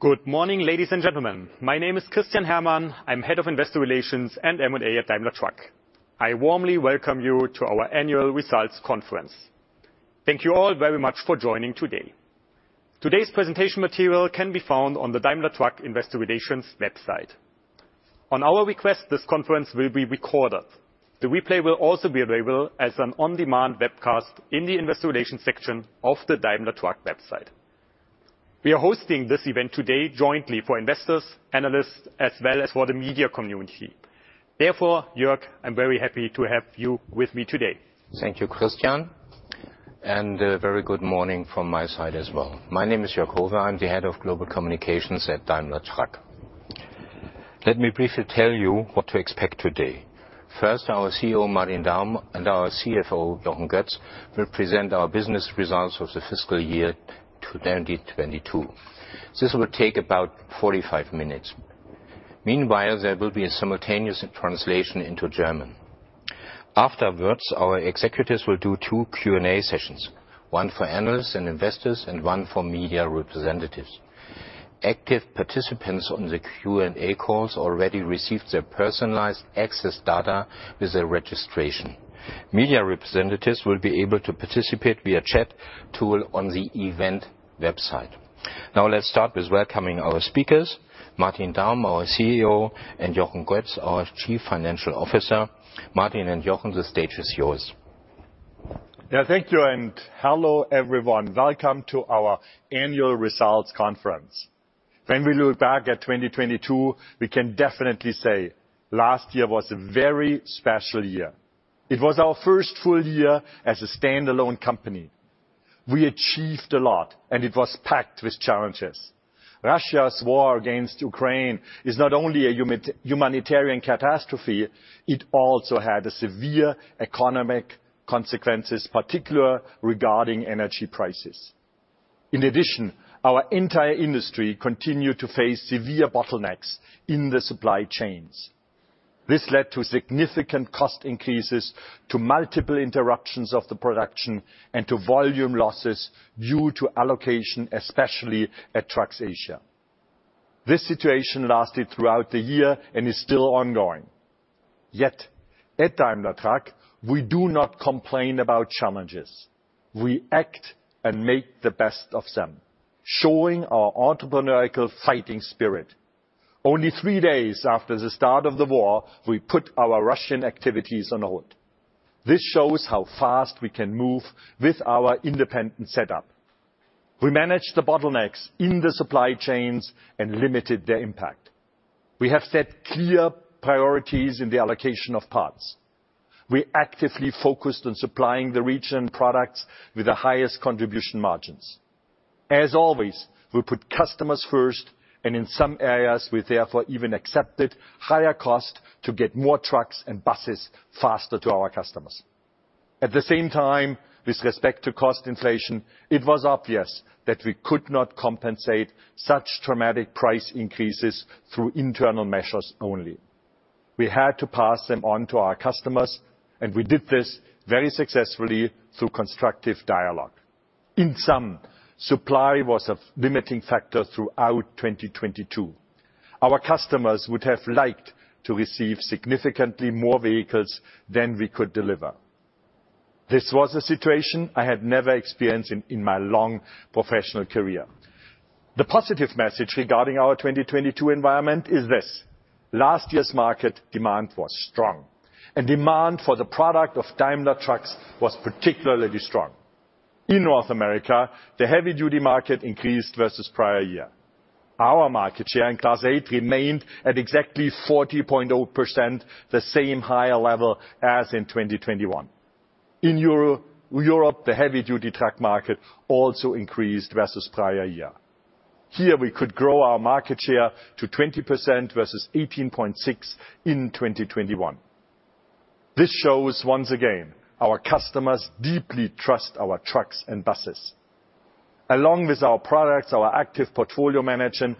Good morning, ladies and gentlemen. My name is Christian Herrmann. I'm Head of Investor Relations and M&A at Daimler Truck. I warmly welcome you to our annual results conference. Thank you all very much for joining today. Today's presentation material can be found on the Daimler Truck Investor Relations website. On our request, this conference will be recorded. The replay will also be available as an on-demand webcast in the Investor Relations section of the Daimler Truck website. We are hosting this event today jointly for investors, analysts, as well as for the media community. Therefore, Jörg, I'm very happy to have you with me today. Thank you, Christian, and a very good morning from my side as well. My name is Jörg Howe. I'm the head of Global Communications at Daimler Truck. Let me briefly tell you what to expect today. First, our CEO, Martin Daum, and our CFO, Jochen Goetz, will present our business results of the fiscal year 2022. This will take about 45 minutes. Meanwhile, there will be a simultaneous translation into German. Afterwards, our executives will do two Q&A sessions, one for analysts and investors and one for media representatives. Active participants on the Q&A calls already received their personalized access data with their registration. Media representatives will be able to participate via chat tool on the event website. Now let's start with welcoming our speakers, Martin Daum, our CEO, and Jochen Goetz, our Chief Financial Officer. Martin and Jochen, the stage is yours. Yeah, thank you, and hello, everyone. Welcome to our annual results conference. When we look back at 2022, we can definitely say last year was a very special year. It was our first full year as a standalone company. We achieved a lot, and it was packed with challenges. Russia's war against Ukraine is not only a humanitarian catastrophe, it also had severe economic consequences, particular regarding energy prices. In addition, our entire industry continued to face severe bottlenecks in the supply chains. This led to significant cost increases, to multiple interruptions of the production, and to volume losses due to allocation, especially at Trucks Asia. This situation lasted throughout the year and is still ongoing. At Daimler Truck, we do not complain about challenges. We act and make the best of them, showing our entrepreneurial fighting spirit. Only three days after the start of the war, we put our Russian activities on hold. This shows how fast we can move with our independent setup. We managed the bottlenecks in the supply chains and limited their impact. We have set clear priorities in the allocation of parts. We actively focused on supplying the region products with the highest contribution margins. As always, we put customers first, and in some areas, we therefore even accepted higher cost to get more trucks and buses faster to our customers. At the same time, with respect to cost inflation, it was obvious that we could not compensate such dramatic price increases through internal measures only. We had to pass them on to our customers, and we did this very successfully through constructive dialogue. In sum, supply was a limiting factor throughout 2022. Our customers would have liked to receive significantly more vehicles than we could deliver. This was a situation I had never experienced in my long professional career. The positive message regarding our 2022 environment is this: last year's market demand was strong, and demand for the product of Daimler Truck was particularly strong. In North America, the heavy duty market increased versus prior year. Our market share in Class 8 remained at exactly 40.0%, the same higher level as in 2021. In Europe, the heavy duty truck market also increased versus prior year. Here we could grow our market share to 20% versus 18.6% in 2021. This shows, once again, our customers deeply trust our trucks and buses. Along with our products, our active portfolio management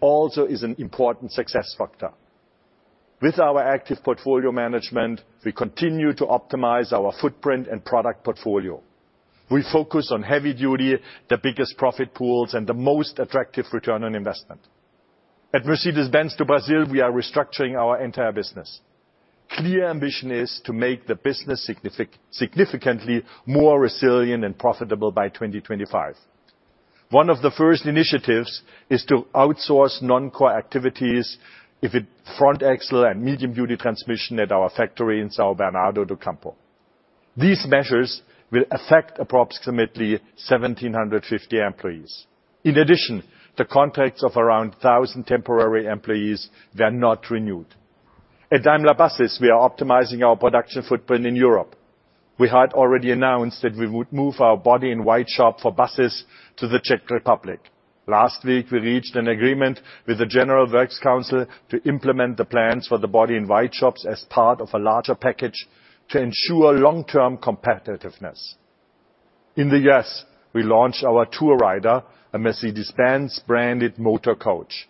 also is an important success factor. With our active portfolio management, we continue to optimize our footprint and product portfolio. We focus on heavy duty, the biggest profit pools, and the most attractive return on investment. At Mercedes-Benz do Brasil, we are restructuring our entire business. Clear ambition is to make the business significantly more resilient and profitable by 2025. One of the first initiatives is to outsource non-core activities, front axle and medium duty transmission at our factory in São Bernardo do Campo. These measures will affect approximately 1,750 employees. The contracts of around 1,000 temporary employees were not renewed. At Daimler Buses, we are optimizing our production footprint in Europe. We had already announced that we would move our body in white shop for buses to the Czech Republic. Last week, we reached an agreement with the general works council to implement the plans for the body in white shops as part of a larger package to ensure long-term competitiveness. In the U.S., we launched our Tourrider, a Mercedes-Benz branded motor coach.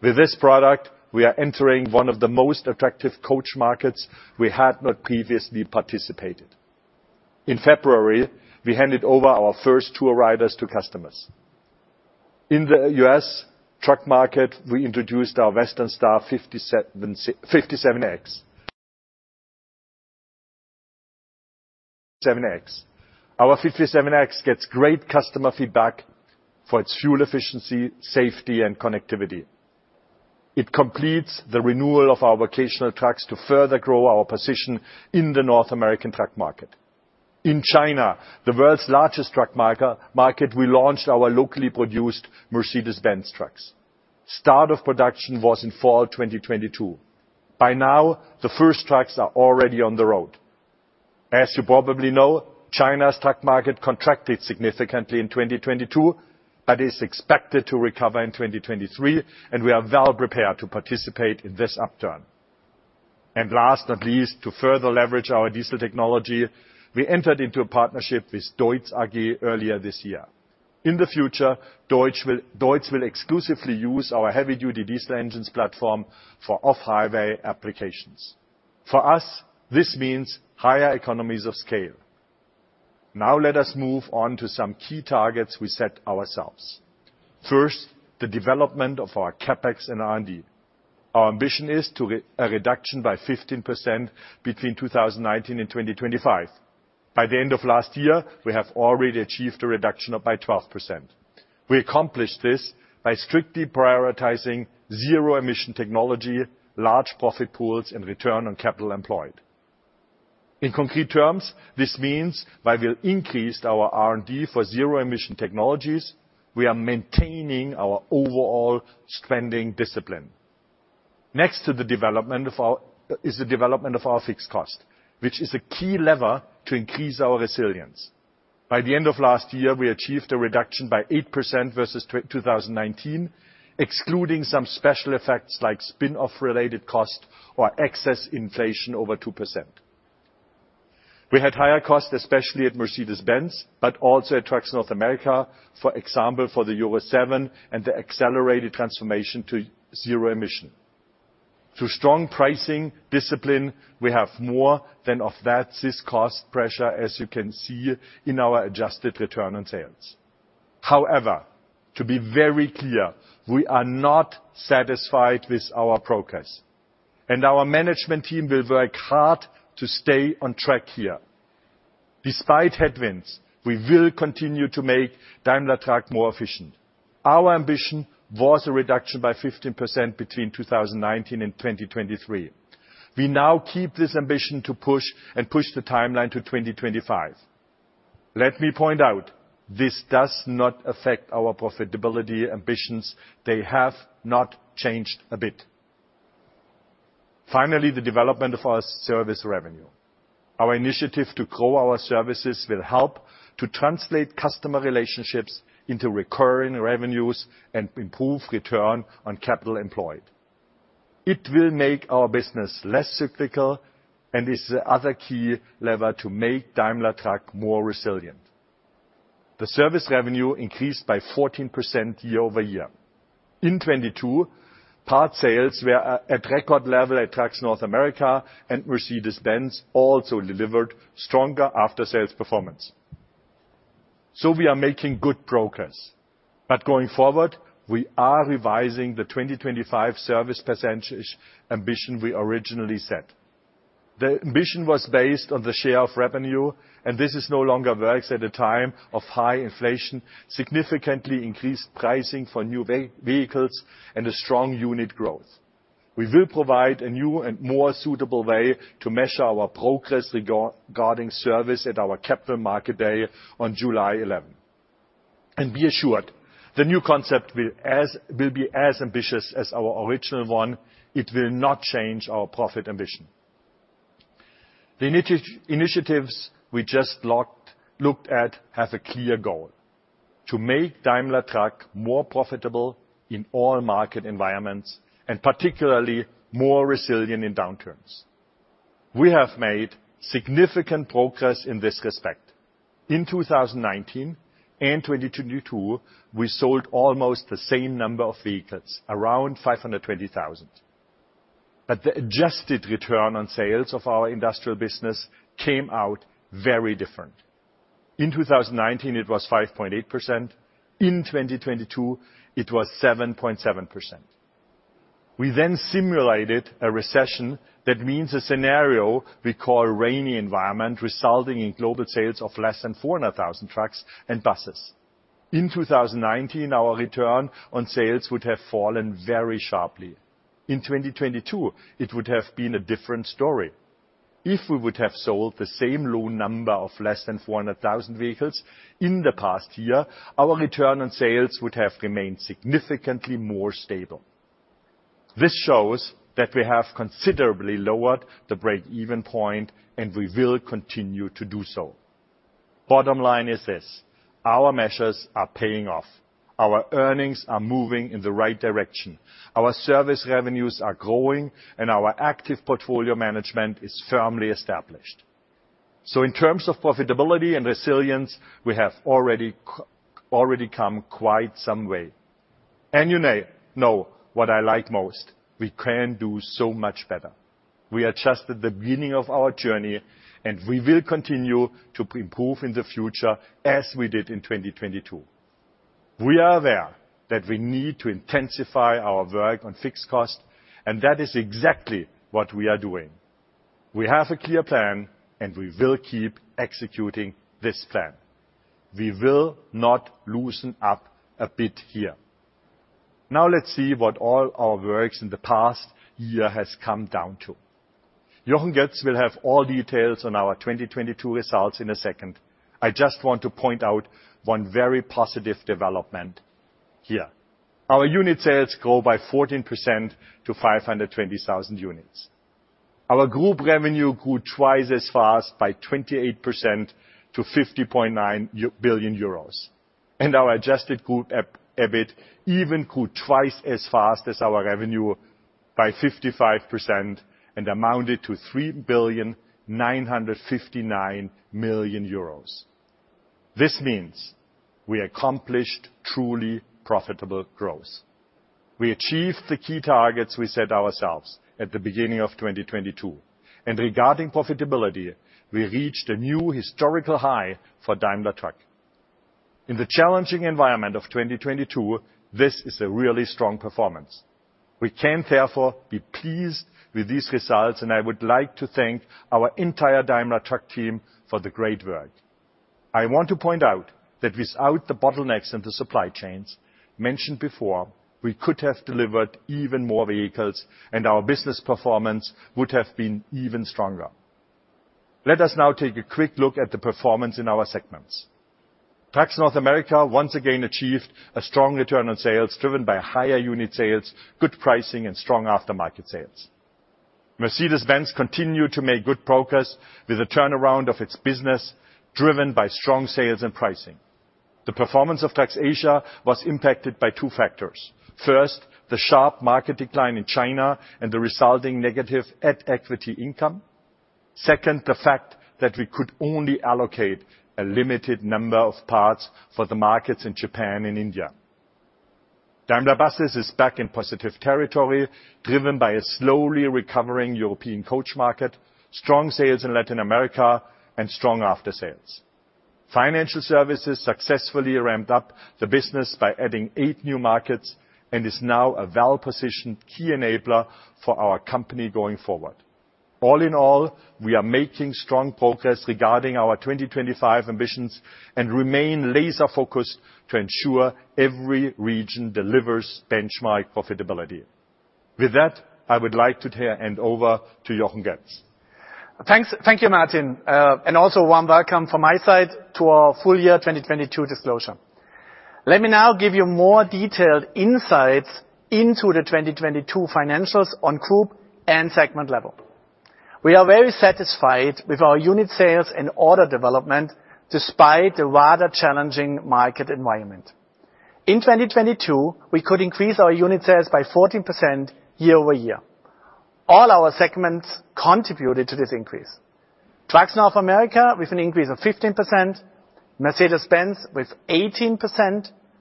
With this product, we are entering one of the most attractive coach markets we had not previously participated. In February, we handed over our first Tourriders to customers. In the U.S. truck market, we introduced our Western Star 57X. Our 57X gets great customer feedback for its fuel efficiency, safety, and connectivity. It completes the renewal of our vocational trucks to further grow our position in the North American truck market. In China, the world's largest truck market, we launched our locally produced Mercedes-Benz trucks. Start of production was in fall 2022. By now, the first trucks are already on the road. As you probably know, China's truck market contracted significantly in 2022, but is expected to recover in 2023, and we are well prepared to participate in this upturn. Last, but least, to further leverage our diesel technology, we entered into a partnership with DEUTZ AG earlier this year. In the future, DEUTZ will exclusively use our heavy-duty diesel engines platform for off-highway applications. For us, this means higher economies of scale. Now let us move on to some key targets we set ourselves. First, the development of our CapEx and R&D. Our ambition is a reduction by 15% between 2019 and 2025. By the end of last year, we have already achieved a reduction of by 12%. We accomplished this by strictly prioritizing zero-emission technology, large profit pools, and return on capital employed. In concrete terms, this means while we increased our R&D for zero-emission technologies, we are maintaining our overall spending discipline. Next to the development of our fixed cost, which is a key lever to increase our resilience. By the end of last year, we achieved a reduction by 8% versus 2019, excluding some special effects like spin-off related cost or excess inflation over 2%. We had higher costs, especially at Mercedes-Benz, but also at Trucks North America, for example, for the Euro 7 and the accelerated transformation to zero emission. Through strong pricing discipline, we have more than offset this cost pressure, as you can see in our adjusted return on sales. However, to be very clear, we are not satisfied with our progress, and our management team will work hard to stay on track here. Despite headwinds, we will continue to make Daimler Truck more efficient. Our ambition was a reduction by 15% between 2019 and 2023. We now keep this ambition to push the timeline to 2025. Let me point out, this does not affect our profitability ambitions. They have not changed a bit. The development of our service revenue. Our initiative to grow our services will help to translate customer relationships into recurring revenues and improve return on capital employed. It will make our business less cyclical, and is the other key lever to make Daimler Truck more resilient. The service revenue increased by 14% year-over-year. In 2022, part sales were at record level at Trucks North America, and Mercedes-Benz also delivered stronger after-sales performance. We are making good progress, going forward, we are revising the 2025 service % ambition we originally set. The ambition was based on the share of revenue, this is no longer works at a time of high inflation, significantly increased pricing for new vehicles, a strong unit growth. We will provide a new and more suitable way to measure our progress regarding service at our Capital Markets Day on July 11. Be assured, the new concept will be as ambitious as our original one. It will not change our profit ambition. The initiatives we just looked at have a clear goal, to make Daimler Truck more profitable in all market environments, particularly more resilient in downturns. We have made significant progress in this respect. In 2019 and 2022, we sold almost the same number of vehicles, around 520,000. The adjusted return on sales of our industrial business came out very different. In 2019, it was 5.8%. In 2022, it was 7.7%. We simulated a recession that means a scenario we call rainy environment, resulting in global sales of less than 400,000 trucks and buses. In 2019, our return on sales would have fallen very sharply. In 2022, it would have been a different story. If we would have sold the same low number of less than 400,000 vehicles in the past year, our return on sales would have remained significantly more stable. This shows that we have considerably lowered the break-even point, and we will continue to do so. Bottom line is this, our measures are paying off. Our earnings are moving in the right direction. Our service revenues are growing. Our active portfolio management is firmly established. In terms of profitability and resilience, we have already come quite some way. You know what I like most, we can do so much better. We are just at the beginning of our journey. We will continue to improve in the future as we did in 2022. We are aware that we need to intensify our work on fixed cost. That is exactly what we are doing. We have a clear plan. We will keep executing this plan. We will not loosen up a bit here. Let's see what all our works in the past year has come down to. Jochen Goetz will have all details on our 2022 results in a second. I just want to point out one very positive development here. Our unit sales grow by 14% to 520,000 units. Our group revenue grew twice as fast by 28% to 50.9 billion euros. Our adjusted group EBIT even grew twice as fast as our revenue by 55% and amounted to 3.959 billion. This means we accomplished truly profitable growth. We achieved the key targets we set ourselves at the beginning of 2022, and regarding profitability, we reached a new historical high for Daimler Truck. In the challenging environment of 2022, this is a really strong performance. We can therefore be pleased with these results, and I would like to thank our entire Daimler Truck team for the great work. I want to point out that without the bottlenecks in the supply chains mentioned before, we could have delivered even more vehicles and our business performance would have been even stronger. Let us now take a quick look at the performance in our segments. Trucks North America once again achieved a strong return on sales, driven by higher unit sales, good pricing, and strong aftermarket sales. Mercedes-Benz continued to make good progress with the turnaround of its business, driven by strong sales and pricing. The performance of Trucks Asia was impacted by two factors. First, the sharp market decline in China and the resulting negative at equity income. Second, the fact that we could only allocate a limited number of parts for the markets in Japan and India. Daimler Buses is back in positive territory, driven by a slowly recovering European coach market, strong sales in Latin America, and strong after-sales. Financial Services successfully ramped up the business by adding 8 new markets and is now a well-positioned key enabler for our company going forward. We are making strong progress regarding our 2025 ambitions and remain laser-focused to ensure every region delivers benchmark profitability. With that, I would like to hand over to Jochen Goetz. Thanks, thank you, Martin. Also warm welcome from my side to our full year 2022 disclosure. Let me now give you more detailed insights into the 2022 financials on group and segment level. We are very satisfied with our unit sales and order development despite the rather challenging market environment. In 2022, we could increase our unit sales by 14% year-over-year. All our segments contributed to this increase. Trucks North America with an increase of 15%, Mercedes-Benz with 18%,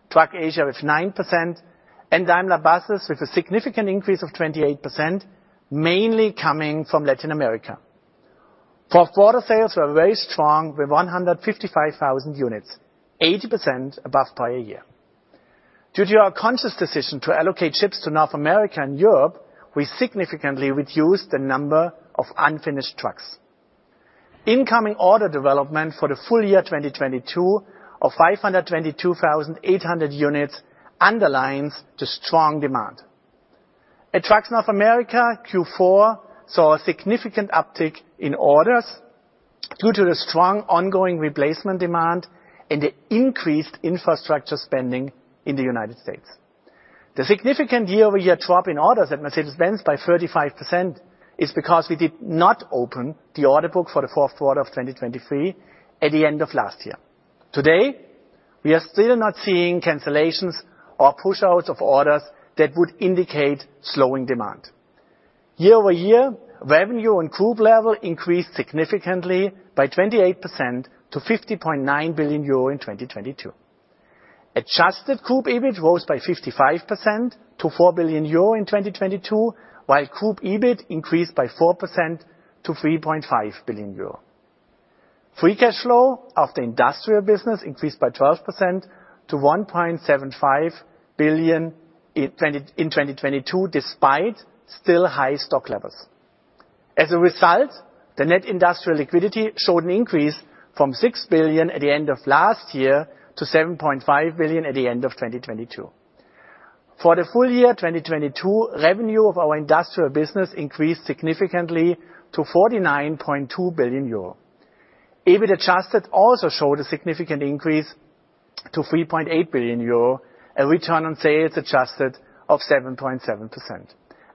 Trucks Asia with 9%, and Daimler Buses with a significant increase of 28%, mainly coming from Latin America. For quarter sales, we are very strong with 155,000 units, 80% above prior year. Due to our conscious decision to allocate ships to North America and Europe, we significantly reduced the number of unfinished trucks. Incoming order development for the full year 2022 of 522,800 units underlines the strong demand. At Trucks North America, Q4 saw a significant uptick in orders due to the strong ongoing replacement demand and the increased infrastructure spending in the United States. The significant year-over-year drop in orders at Mercedes-Benz by 35% is because we did not open the order book for the fourth quarter of 2023 at the end of last year. Today, we are still not seeing cancellations or pushouts of orders that would indicate slowing demand. Year-over-year, revenue on group level increased significantly by 28% to 50.9 billion euro in 2022. Adjusted group EBIT rose by 55% to 4 billion euro in 2022, while group EBIT increased by 4% to 3.5 billion euro. Free cash flow of the industrial business increased by 12% to 1.75 billion in 2022, despite still high stock levels. As a result, the net industrial liquidity showed an increase from 6 billion at the end of last year to 7.5 billion at the end of 2022. For the full year 2022, revenue of our industrial business increased significantly to 49.2 billion euro. EBIT adjusted also showed a significant increase to 3.8 billion euro, a return on sales adjusted of 7.7%,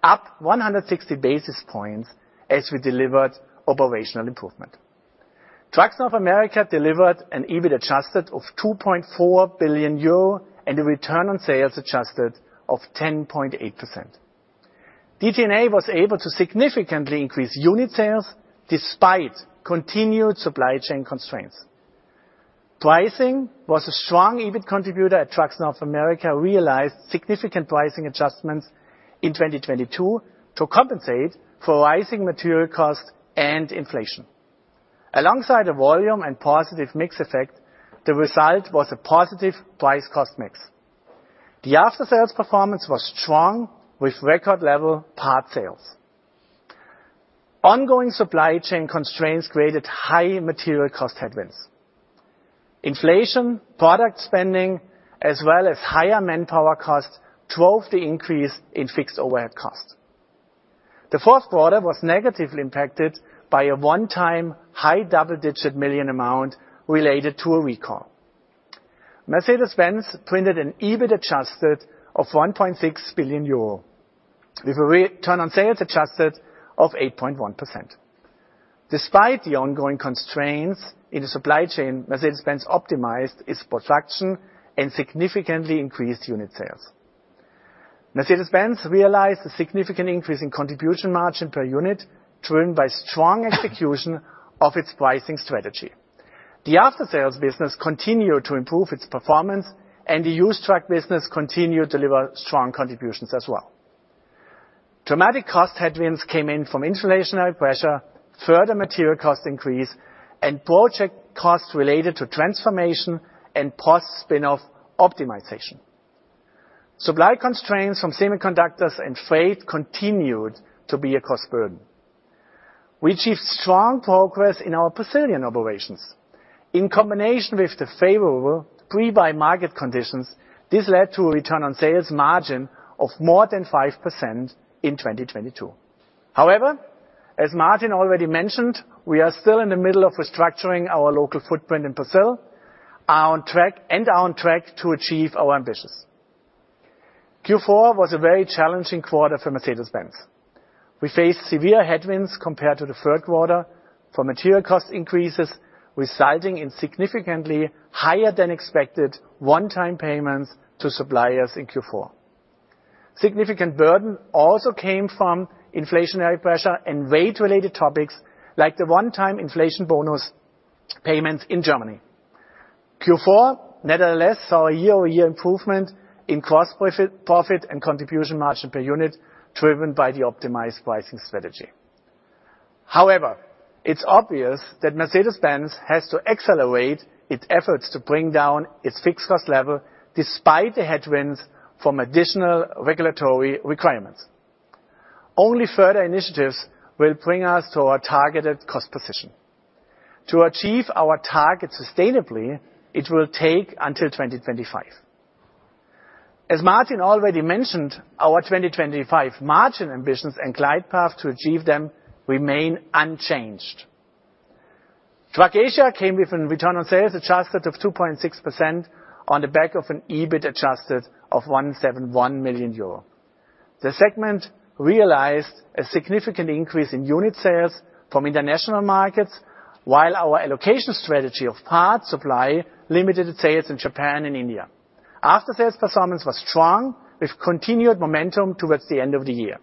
up 160 basis points as we delivered operational improvement. Trucks North America delivered an EBIT adjusted of 2.4 billion euro and a return on sales adjusted of 10.8%. DTNA was able to significantly increase unit sales despite continued supply chain constraints. Pricing was a strong EBIT contributor at Trucks North America, realized significant pricing adjustments in 2022 to compensate for rising material costs and inflation. Alongside the volume and positive mix effect, the result was a positive price-cost mix. The after-sales performance was strong with record level part sales. Ongoing supply chain constraints created high material cost headwinds. Inflation, product spending, as well as higher manpower costs drove the increase in fixed overhead costs. The fourth quarter was negatively impacted by a one-time high double-digit million EUR amount related to a recall. Mercedes-Benz printed an EBIT adjusted of 1.6 billion euro, with a return on sales adjusted of 8.1%. Despite the ongoing constraints in the supply chain, Mercedes-Benz optimized its production and significantly increased unit sales. Mercedes-Benz realized a significant increase in contribution margin per unit driven by strong execution of its pricing strategy. The after-sales business continued to improve its performance, and the used truck business continued to deliver strong contributions as well. Dramatic cost headwinds came in from inflationary pressure, further material cost increase, and project costs related to transformation and post-spin-off optimization. Supply constraints from semiconductors and freight continued to be a cost burden. We achieved strong progress in our Brazilian operations. In combination with the favorable pre-buy market conditions, this led to a return on sales margin of more than 5% in 2022. As Martin already mentioned, we are still in the middle of restructuring our local footprint in Brazil, are on track to achieve our ambitions. Q4 was a very challenging quarter for Mercedes-Benz. We faced severe headwinds compared to the third quarter for material cost increases, resulting in significantly higher than expected one-time payments to suppliers in Q4. Significant burden also came from inflationary pressure and rate related topics, like the one-time inflation bonus payments in Germany. Q4, nevertheless, saw a year-over-year improvement in gross profit and contribution margin per unit driven by the optimized pricing strategy. It's obvious that Mercedes-Benz has to accelerate its efforts to bring down its fixed cost level despite the headwinds from additional regulatory requirements. Only further initiatives will bring us to our targeted cost position. To achieve our target sustainably, it will take until 2025. As Martin already mentioned, our 2025 margin ambitions and glide path to achieve them remain unchanged. Trucks Asia came with an return on sales adjusted of 2.6% on the back of an EBIT adjusted of 171 million euro. The segment realized a significant increase in unit sales from international markets, while our allocation strategy of parts supply limited sales in Japan and India. After sales performance was strong with continued momentum towards the end of the year.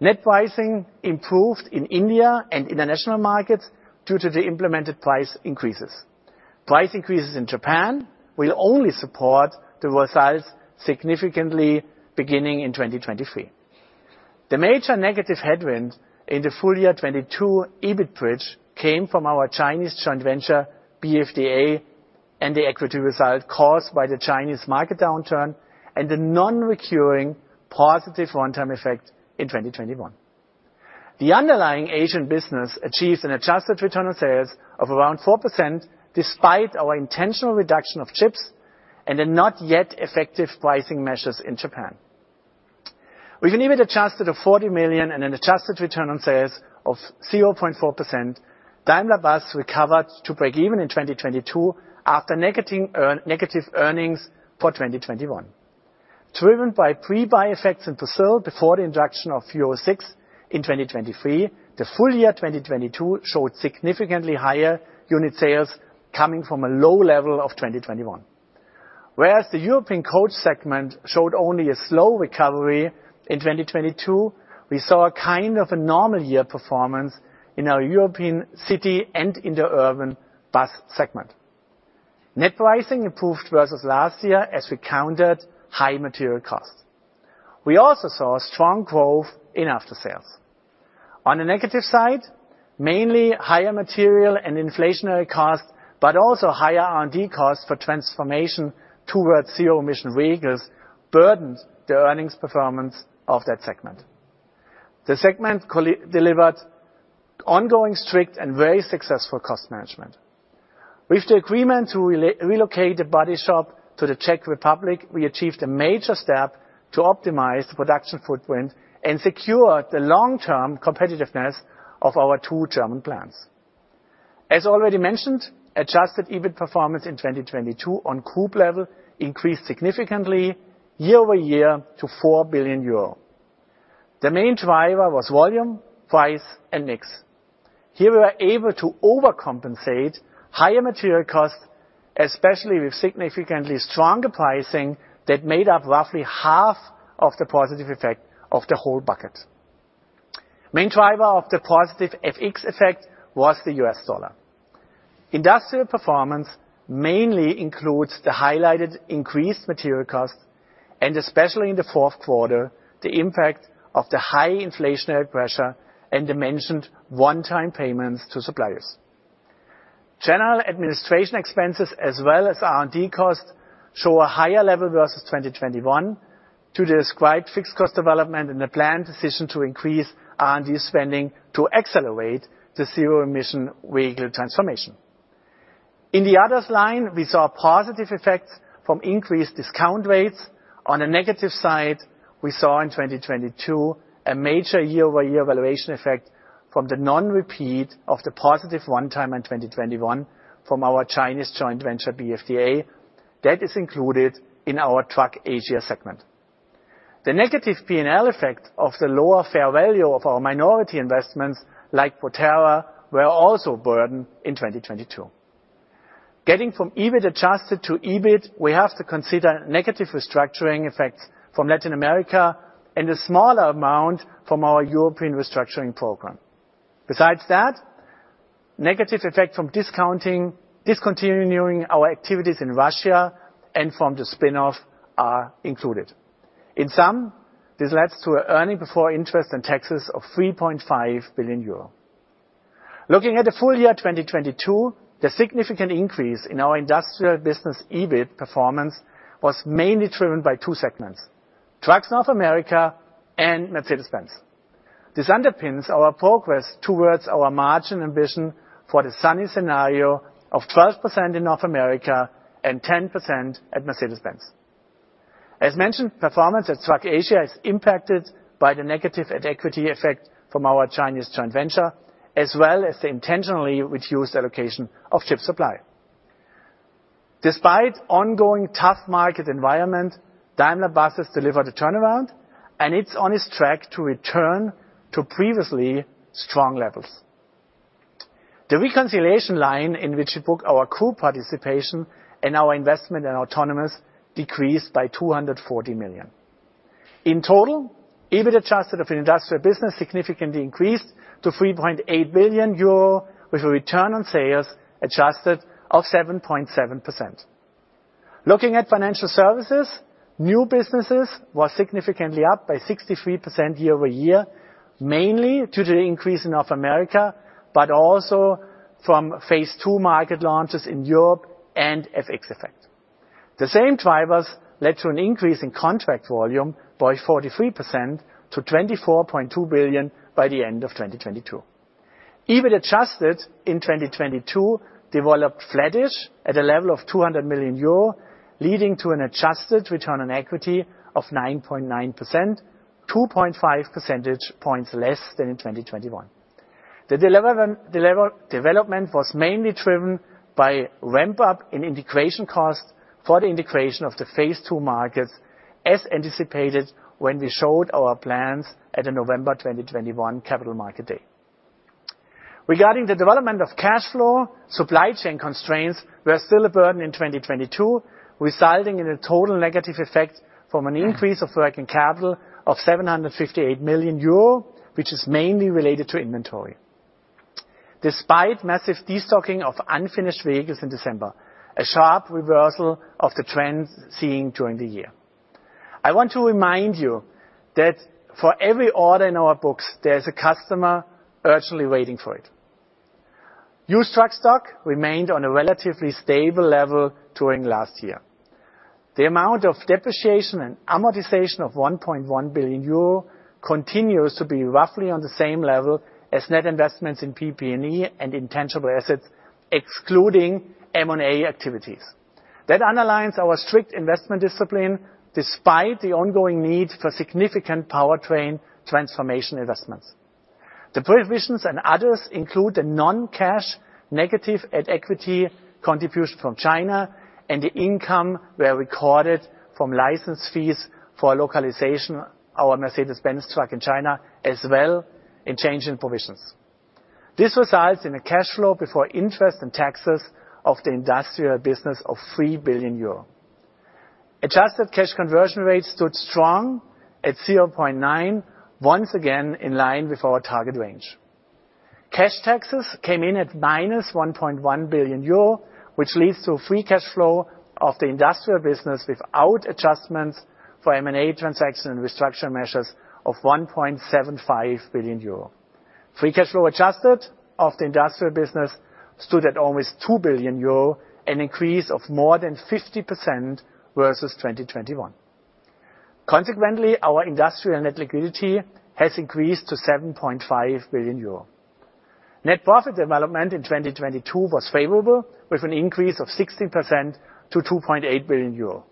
Net pricing improved in India and international markets due to the implemented price increases. Price increases in Japan will only support the results significantly beginning in 2023. The major negative headwind in the full year 2022 EBIT bridge came from our Chinese joint venture, BFDA, and the equity result caused by the Chinese market downturn and the non-recurring positive one-time effect in 2021. The underlying Asian business achieved an adjusted return on sales of around 4% despite our intentional reduction of chips and not yet effective pricing measures in Japan. With an EBIT adjusted of 40 million and an adjusted return on sales of 0.4%, Daimler Buses recovered to break even in 2022 after negating negative earnings for 2021. Driven by pre-buy effects in Brazil before the introduction of Euro VI in 2023, the full year 2022 showed significantly higher unit sales coming from a low level of 2021. Whereas the European coach segment showed only a slow recovery in 2022, we saw a kind of normal year performance in our European city and inter-urban bus segment. Net pricing improved versus last year as we countered high material costs. We also saw strong growth in after-sales. On the negative side, mainly higher material and inflationary costs, but also higher R&D costs for transformation towards zero emission vehicles burdened the earnings performance of that segment. The segment delivered ongoing strict and very successful cost management. With the agreement to relocate the body shop to the Czech Republic, we achieved a major step to optimize the production footprint and secure the long-term competitiveness of our two German plants. As already mentioned, adjusted EBIT performance in 2022 on group level increased significantly year-over-year to 4 billion euro. The main driver was volume, price, and mix. Here, we were able to overcompensate higher material costs, especially with significantly stronger pricing that made up roughly half of the positive effect of the whole bucket. Main driver of the positive FX effect was the US dollar. Industrial performance mainly includes the highlighted increased material costs, and especially in the fourth quarter, the impact of the high inflationary pressure and the mentioned one-time payments to suppliers. General administration expenses as well as R&D costs show a higher level versus 2021 to the described fixed cost development and the planned decision to increase R&D spending to accelerate the zero emission vehicle transformation. In the others line, we saw positive effects from increased discount rates. On a negative side, we saw in 2022 a major year-over-year valuation effect from the non-repeat of the positive one time in 2021 from our Chinese joint venture, BFDA. That is included in our Trucks Asia segment. The negative P&L effect of the lower fair value of our minority investments, like Proterra, were also a burden in 2022. Getting from EBIT adjusted to EBIT, we have to consider negative restructuring effects from Latin America and a smaller amount from our European restructuring program. Besides that, negative effect from discontinuing our activities in Russia and from the spin-off are included. In sum, this leads to a EBIT of 3.5 billion euro. Looking at the full year 2022, the significant increase in our industrial business EBIT performance was mainly driven by two segments, Trucks North America and Mercedes-Benz. This underpins our progress towards our margin ambition for the sunny scenario of 12% in North America and 10% at Mercedes-Benz. As mentioned, performance at Trucks Asia is impacted by the negative at equity effect from our Chinese joint venture, as well as the intentionally reduced allocation of chip supply. Despite ongoing tough market environment, Daimler Buses delivered a turnaround, and it's on its track to return to previously strong levels. The reconciliation line in which we book our crew participation and our investment in autonomous decreased by 240 million. In total, EBIT adjusted of Industrial business significantly increased to 3.8 billion euro, with a return on sales adjusted of 7.7%. Looking at financial services, new businesses was significantly up by 63% year-over-year, mainly due to the increase in North America, but also from phase II market launches in Europe and FX effect. The same drivers led to an increase in contract volume by 43% to 24.2 billion by the end of 2022. EBIT adjusted in 2022 developed flattish at a level of 200 million euro, leading to an adjusted return on equity of 9.9%, 2.5 percentage points less than in 2021. The development was mainly driven by ramp-up in integration costs for the integration of the phase II markets as anticipated when we showed our plans at the November 2021 Capital Markets Day. Regarding the development of cash flow, supply chain constraints were still a burden in 2022, resulting in a total negative effect from an increase of working capital of 758 million euro, which is mainly related to inventory. Despite massive de-stocking of unfinished vehicles in December, a sharp reversal of the trends seen during the year. I want to remind you that for every order in our books, there's a customer urgently waiting for it. Used truck stock remained on a relatively stable level during last year. The amount of depreciation and amortization of 1.1 billion euro continues to be roughly on the same level as net investments in PP&E and intangible assets, excluding M&A activities. That underlines our strict investment discipline despite the ongoing need for significant powertrain transformation investments. The provisions and others include a non-cash negative at equity contribution from China, and the income were recorded from license fees for localization our Mercedes-Benz truck in China, as well in change in provisions. This results in a cash flow before interest and taxes of the Industrial business of 3 billion euro. Adjusted cash conversion rate stood strong at 0.9, once again in line with our target range. Cash taxes came in at -1.1 billion euro, which leads to a free cash flow of the Industrial business without adjustments for M&A transaction and restructuring measures of 1.75 billion euro. Free cash flow adjusted of the Industrial business stood at almost 2 billion euro, an increase of more than 50% versus 2021. Consequently, our Industrial Net Liquidity has increased to 7.5 billion euro. Net profit development in 2022 was favorable, with an increase of 16% to 2.8 billion euro.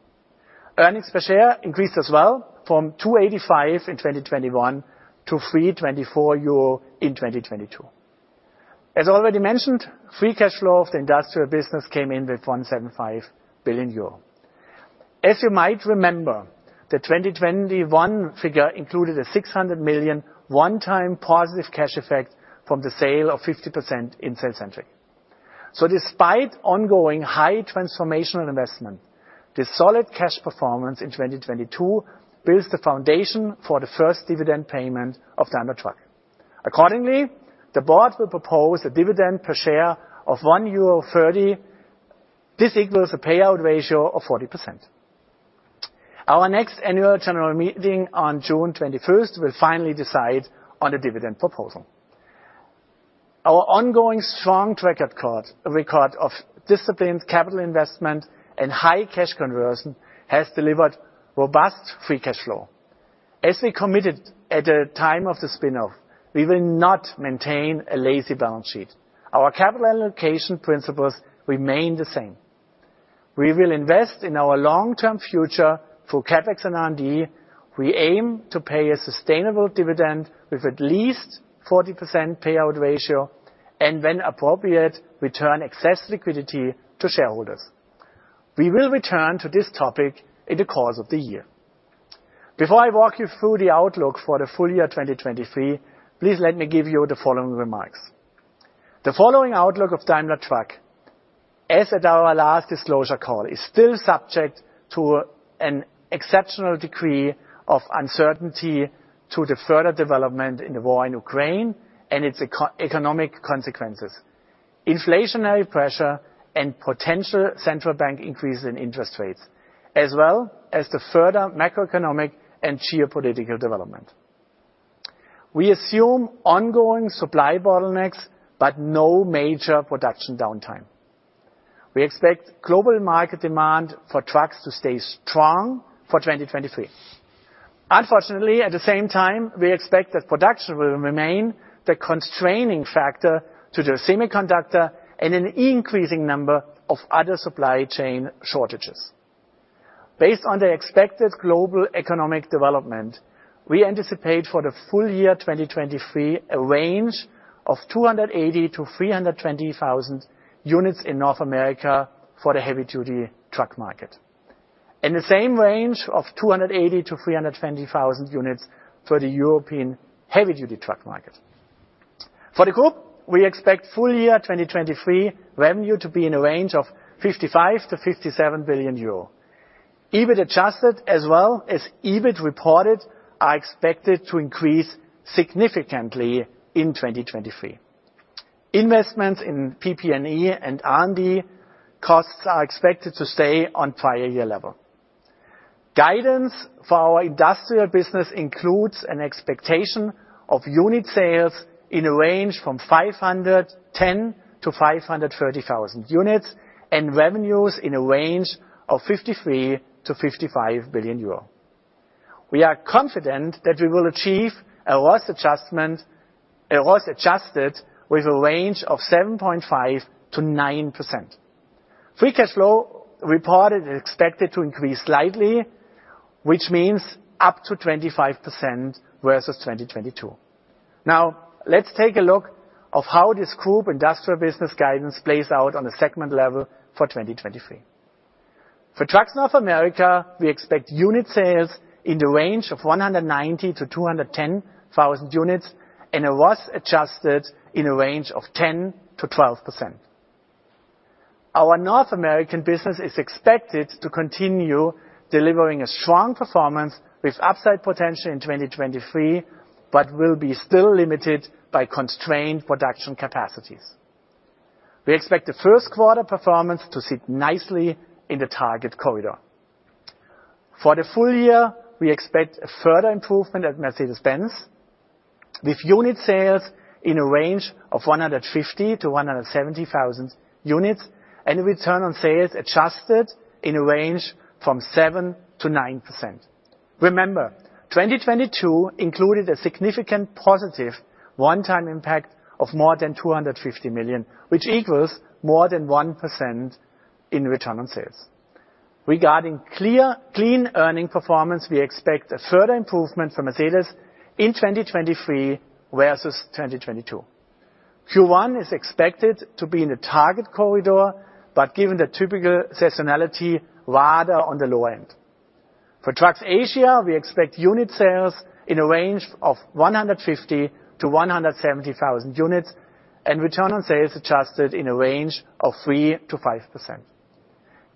Earnings per share increased as well from 2.85 in 2021 to 3.24 euro in 2022. As already mentioned, free cash flow of the Industrial business came in with 1.75 billion euro. As you might remember, the 2021 figure included a 600 million one-time positive cash effect from the sale of 50% in cellcentric. Despite ongoing high transformational investment, the solid cash performance in 2022 builds the foundation for the first dividend payment of Daimler Truck. Accordingly, the board will propose a dividend per share of 1.30 euro. This equals a payout ratio of 40%. Our next annual general meeting on June 21st will finally decide on a dividend proposal. Our ongoing strong track record of disciplined capital investment and high cash conversion has delivered robust free cash flow. As we committed at the time of the spin-off, we will not maintain a lazy balance sheet. Our capital allocation principles remain the same. We will invest in our long-term future through CapEx and R&D. We aim to pay a sustainable dividend with at least 40% payout ratio, and when appropriate, return excess liquidity to shareholders. We will return to this topic in the course of the year. Before I walk you through the outlook for the full year 2023, please let me give you the following remarks. The following outlook of Daimler Truck, as at our last disclosure call, is still subject to an exceptional degree of uncertainty to the further development in the war in Ukraine and its eco-economic consequences, inflationary pressure and potential central bank increases in interest rates, as well as the further macroeconomic and geopolitical development. We assume ongoing supply bottlenecks, no major production downtime. We expect global market demand for trucks to stay strong for 2023. Unfortunately, at the same time, we expect that production will remain the constraining factor to the semiconductor and an increasing number of other supply chain shortages. Based on the expected global economic development, we anticipate for the full year 2023 a range of 280,000-320,000 units in North America for the heavy-duty truck market. In the same range of 280,000-320,000 units for the European heavy-duty truck market. For the group, we expect full year 2023 revenue to be in a range of 55 billion-57 billion euro. EBIT adjusted as well as EBIT reported are expected to increase significantly in 2023. Investments in PP&E and R&D costs are expected to stay on prior year level. Guidance for our industrial business includes an expectation of unit sales in a range from 510,000-530,000 units, and revenues in a range of 53 billion-55 billion euro. We are confident that we will achieve a ROS adjusted with a range of 7.5%-9%. Free cash flow reported is expected to increase slightly, which means up to 25% versus 2022. Let's take a look of how this group industrial business guidance plays out on a segment level for 2023. For Truck North America, we expect unit sales in the range of 190,000-210,000 units, and a ROS adjusted in a range of 10%-12%. Our North American business is expected to continue delivering a strong performance with upside potential in 2023, but will be still limited by constrained production capacities. We expect the first quarter performance to sit nicely in the target corridor. For the full year, we expect a further improvement at Mercedes-Benz with unit sales in a range of 150,000-170,000 units, and a return on sales adjusted in a range from 7%-9%. Remember, 2022 included a significant positive one-time impact of more than 250 million, which equals more than 1% in return on sales. Regarding clean earning performance, we expect a further improvement for Mercedes in 2023 versus 2022. Q1 is expected to be in the target corridor, but given the typical seasonality, rather on the low end. For Trucks Asia, we expect unit sales in a range of 150,000-170,000 units, and return on sales adjusted in a range of 3%-5%.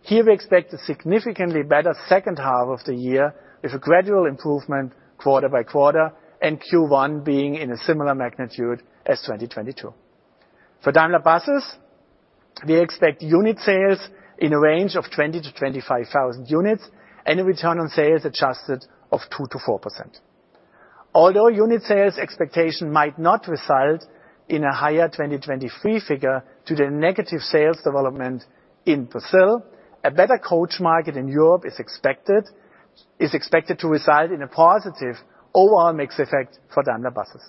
Here, we expect a significantly better second half of the year with a gradual improvement quarter by quarter, and Q1 being in a similar magnitude as 2022. For Daimler Buses, we expect unit sales in a range of 20,000-25,000 units, and a return on sales adjusted of 2%-4%. Although unit sales expectation might not result in a higher 2023 figure due to negative sales development in Brazil, a better coach market in Europe is expected to reside in a positive overall mix effect for Daimler Buses.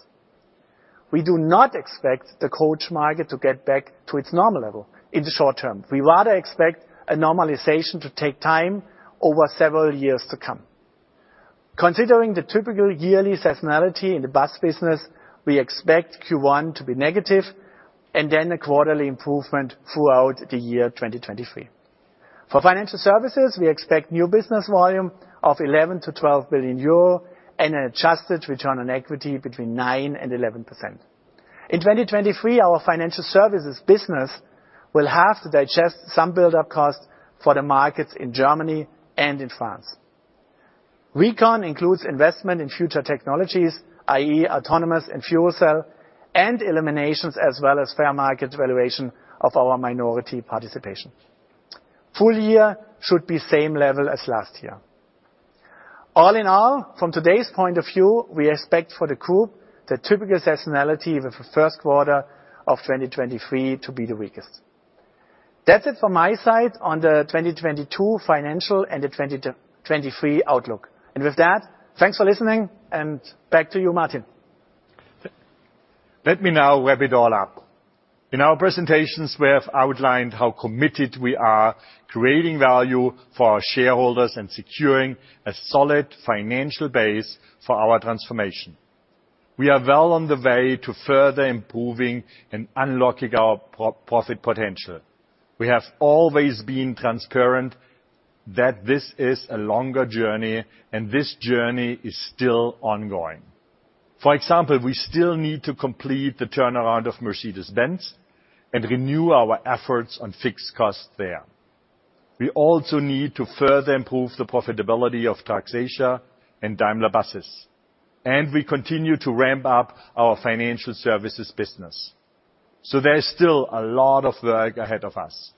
We do not expect the coach market to get back to its normal level in the short term. We rather expect a normalization to take time over several years to come. Considering the typical yearly seasonality in the bus business, we expect Q1 to be negative and then a quarterly improvement throughout the year 2023. For financial services, we expect new business volume of 11 billion-12 billion euro and adjusted return on equity between 9% and 11%. In 2023, our financial services business will have to digest some buildup costs for the markets in Germany and in France. Recon includes investment in future technologies, i.e., autonomous and fuel cell, and eliminations as well as fair market valuation of our minority participation. Full year should be same level as last year. From today's point of view, we expect for the group the typical seasonality with the first quarter of 2023 to be the weakest. That's it from my side on the 2022 financial and the 2023 outlook. With that, thanks for listening, and back to you, Martin. Let me now wrap it all up. In our presentations, we have outlined how committed we are to creating value for our shareholders and securing a solid financial base for our transformation. We are well on the way to further improving and unlocking our pro-profit potential. We have always been transparent that this is a longer journey, and this journey is still ongoing. For example, we still need to complete the turnaround of Mercedes-Benz and renew our efforts on fixed costs there. We also need to further improve the profitability of Trucks Asia and Daimler Buses, and we continue to ramp up our financial services business. There is still a lot of work ahead of us.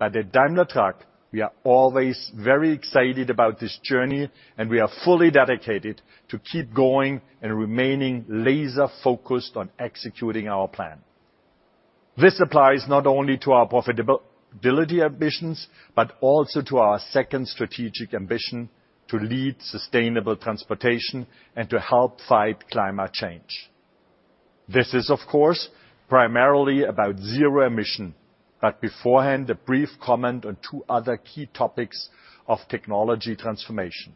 At Daimler Truck, we are always very excited about this journey, and we are fully dedicated to keep going and remaining laser-focused on executing our plan. This applies not only to our profitability ambitions, but also to our second strategic ambition, to lead sustainable transportation and to help fight climate change. This is, of course, primarily about zero emission, but beforehand, a brief comment on two other key topics of technology transformation.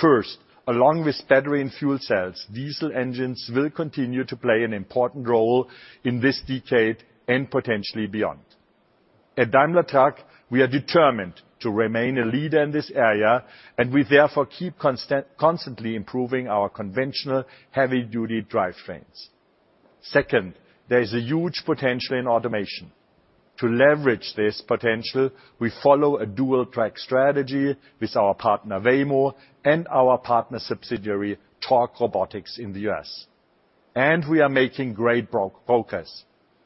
First, along with battery and fuel cells, diesel engines will continue to play an important role in this decade and potentially beyond. At Daimler Truck, we are determined to remain a leader in this area, we therefore keep constantly improving our conventional heavy-duty drivetrains. Second, there is a huge potential in automation. To leverage this potential, we follow a dual-track strategy with our partner Waymo and our partner subsidiary Torc Robotics in the U.S. We are making great progress.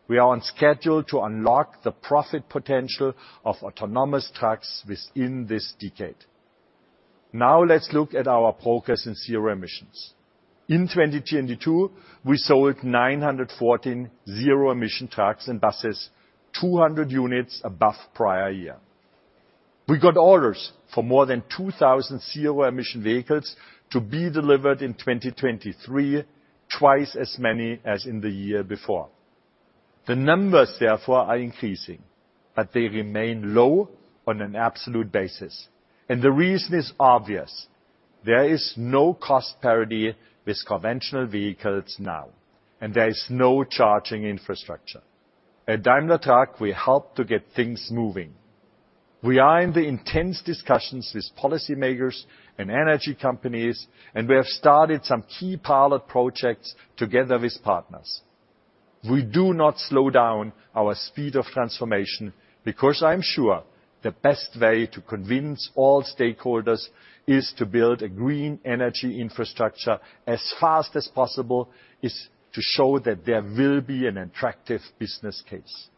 We are on schedule to unlock the profit potential of autonomous trucks within this decade. Let's look at our progress in zero emissions. In 2022, we sold 914 zero-emission trucks and buses, 200 units above prior year. We got orders for more than 2,000 zero-emission vehicles to be delivered in 2023, twice as many as in the year before. The numbers, therefore, are increasing, but they remain low on an absolute basis. The reason is obvious. There is no cost parity with conventional vehicles now, and there is no charging infrastructure. At Daimler Truck, we help to get things moving. We are in the intense discussions with policymakers and energy companies, and we have started some key pilot projects together with partners. We do not slow down our speed of transformation because I'm sure the best way to convince all stakeholders is to build a green energy infrastructure as fast as possible, is to show that there will be an attractive business case.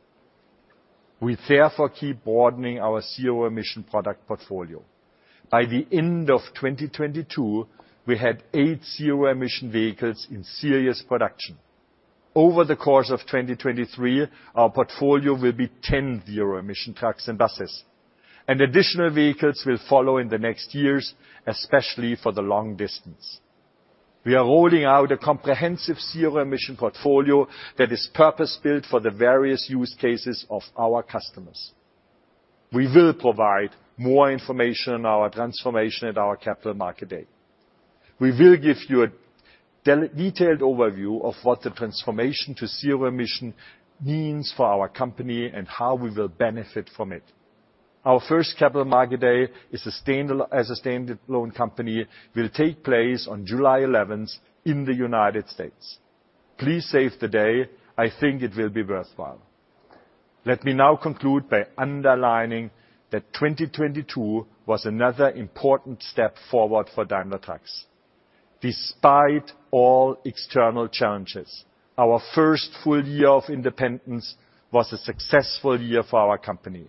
We therefore keep broadening our zero-emission product portfolio. By the end of 2022, we had eight zero-emission vehicles in serious production. Over the course of 2023, our portfolio will be 10 zero-emission trucks and buses. Additional vehicles will follow in the next years, especially for the long distance. We are rolling out a comprehensive zero-emission portfolio that is purpose-built for the various use cases of our customers. We will provide more information on our transformation at our Capital Markets Day. We will give you a detailed overview of what the transformation to zero emission means for our company and how we will benefit from it. Our first Capital Markets Day, a sustainable loan company, will take place on July eleventh in the United States. Please save the day. I think it will be worthwhile. Let me now conclude by underlining that 2022 was another important step forward for Daimler Truck. Despite all external challenges, our first full year of independence was a successful year for our company.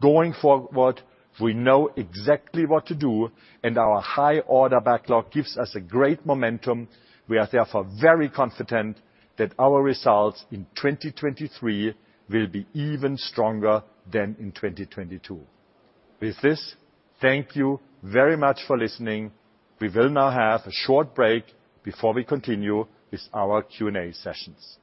Going forward, we know exactly what to do, and our high order backlog gives us a great momentum. We are therefore very confident that our results in 2023 will be even stronger than in 2022. With this, thank you very much for listening. We will now have a short break before we continue with our Q&A sessions.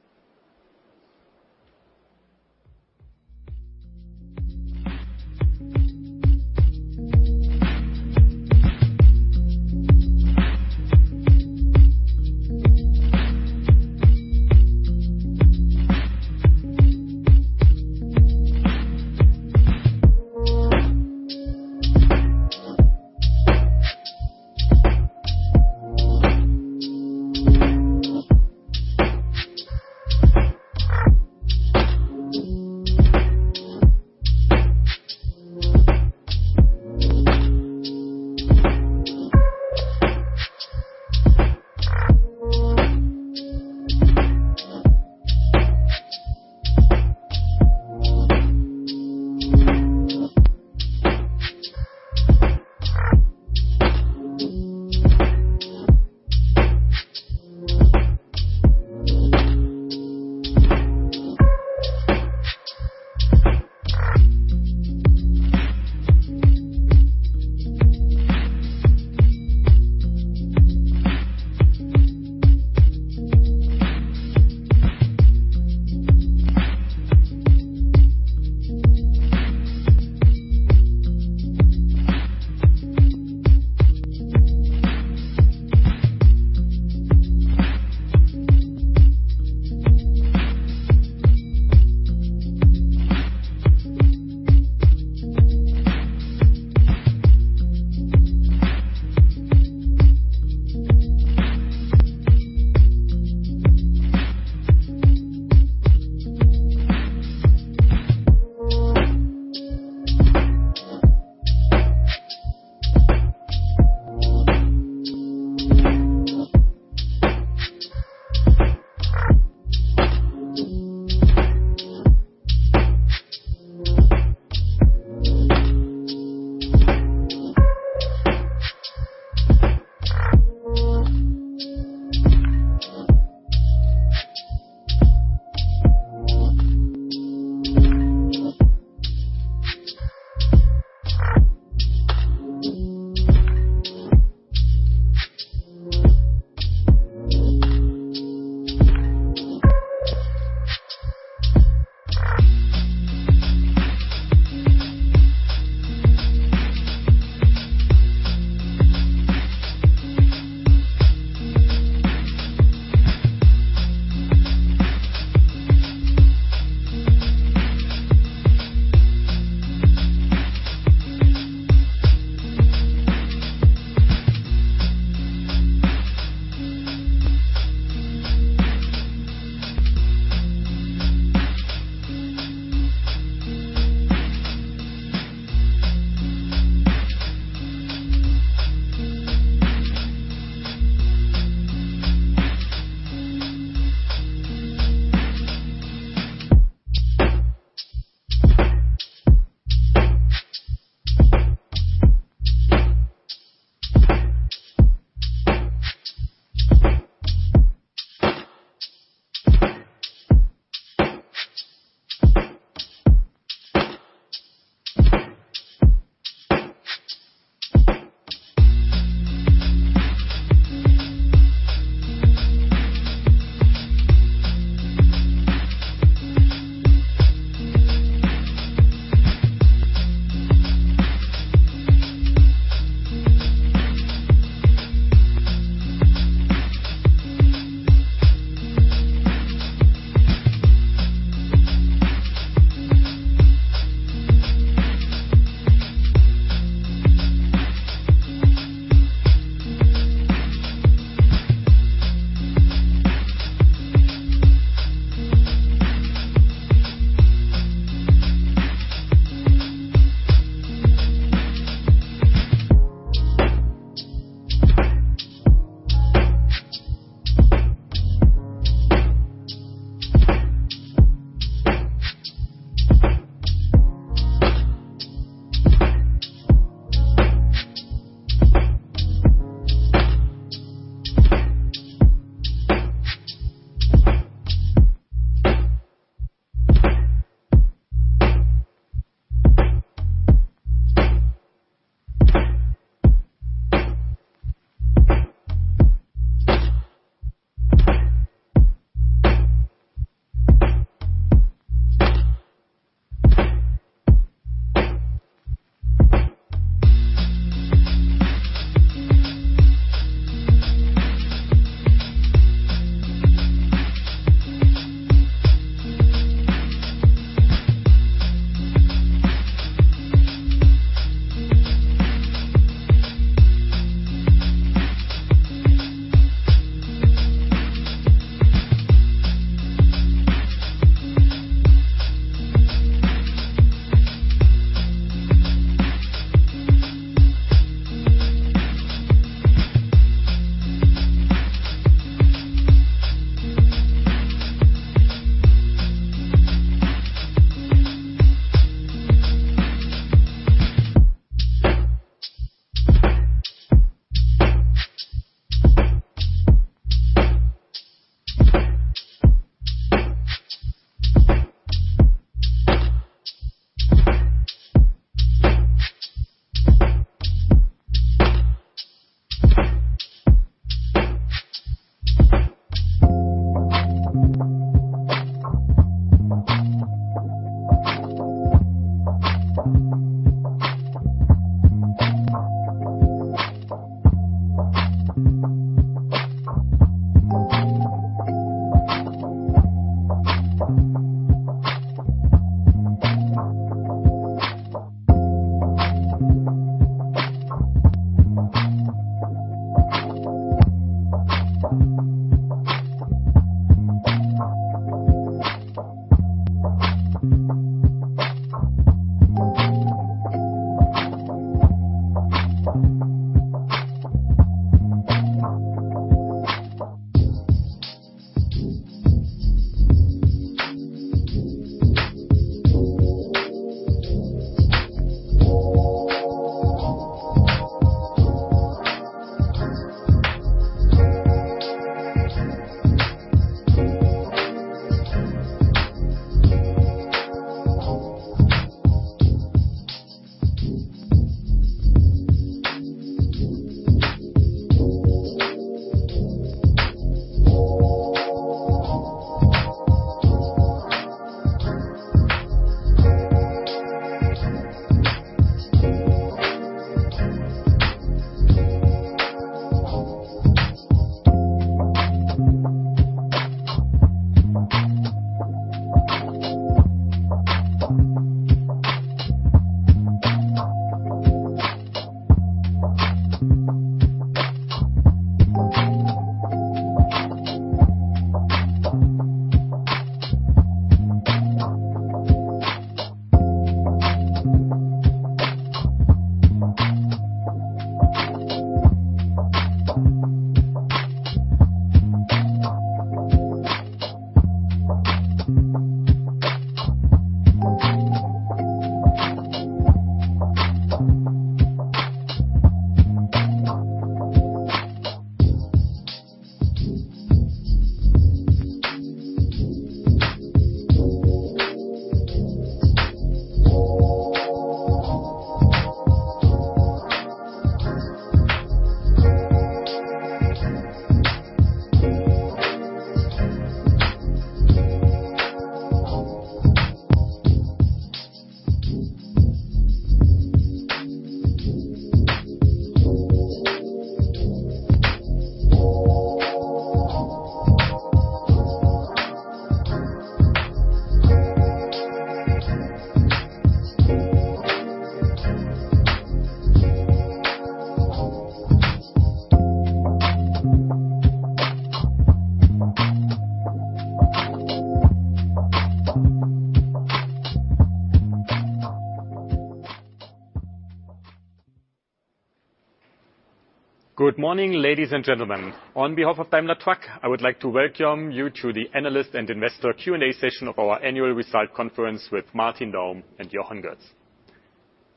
Good morning, ladies and gentlemen. On behalf of Daimler Truck, I would like to welcome you to the analyst and investor Q&A session of our annual result conference with Martin Daum and Jochen Goetz.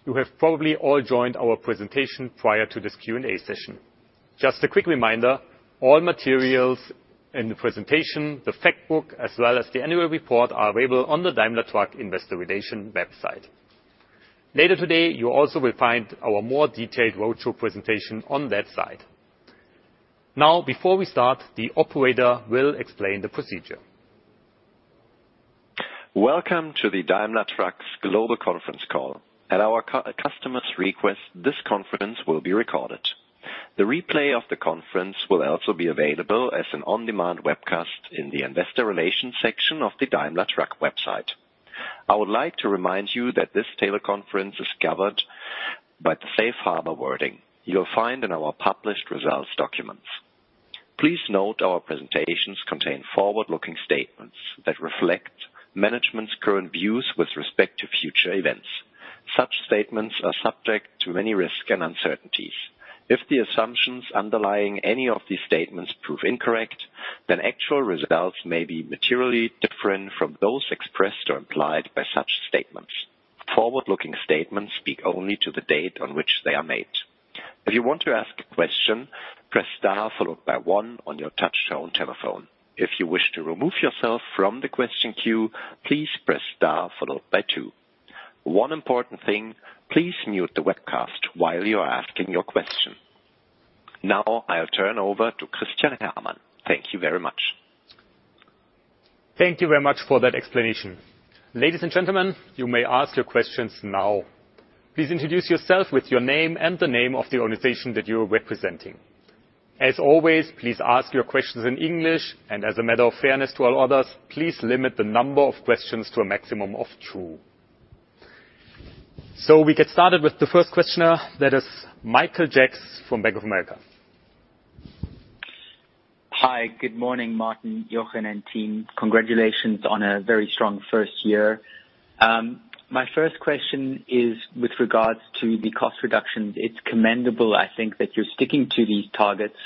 You have probably all joined our presentation prior to this Q&A session. Just a quick reminder, all materials in the presentation, the fact book, as well as the annual report, are available on the Daimler Truck Investor Relations website. Later today, you also will find our more detailed roadshow presentation on that site. Before we start, the operator will explain the procedure. Welcome to the Daimler Truck Global Conference Call. At our customers request, this conference will be recorded. The replay of the conference will also be available as an on-demand webcast in the investor relations section of the Daimler Truck website. I would like to remind you that this teleconference is covered by the safe harbor wording you will find in our published results documents. Please note, our presentations contain forward-looking statements that reflect management's current views with respect to future events. Such statements are subject to many risks and uncertainties. If the assumptions underlying any of these statements prove incorrect, then actual results may be materially different from those expressed or implied by such statements. Forward-looking statements speak only to the date on which they are made. If you want to ask a question, press star followed by one on your touchtone telephone. If you wish to remove yourself from the question queue, please press star followed by two. One important thing, please mute the webcast while you are asking your question. Now I'll turn over to Christian Herrmann. Thank you very much. Thank you very much for that explanation. Ladies and gentlemen, you may ask your questions now. Please introduce yourself with your name and the name of the organization that you are representing. As always, please ask your questions in English, and as a matter of fairness to all others, please limit the number of questions to a maximum of two. We get started with the first questioner. That is Michael Jacks from Bank of America. Hi. Good morning, Martin, Jochen, and team. Congratulations on a very strong first year. My first question is with regards to the cost reductions. It's commendable, I think, that you're sticking to these targets.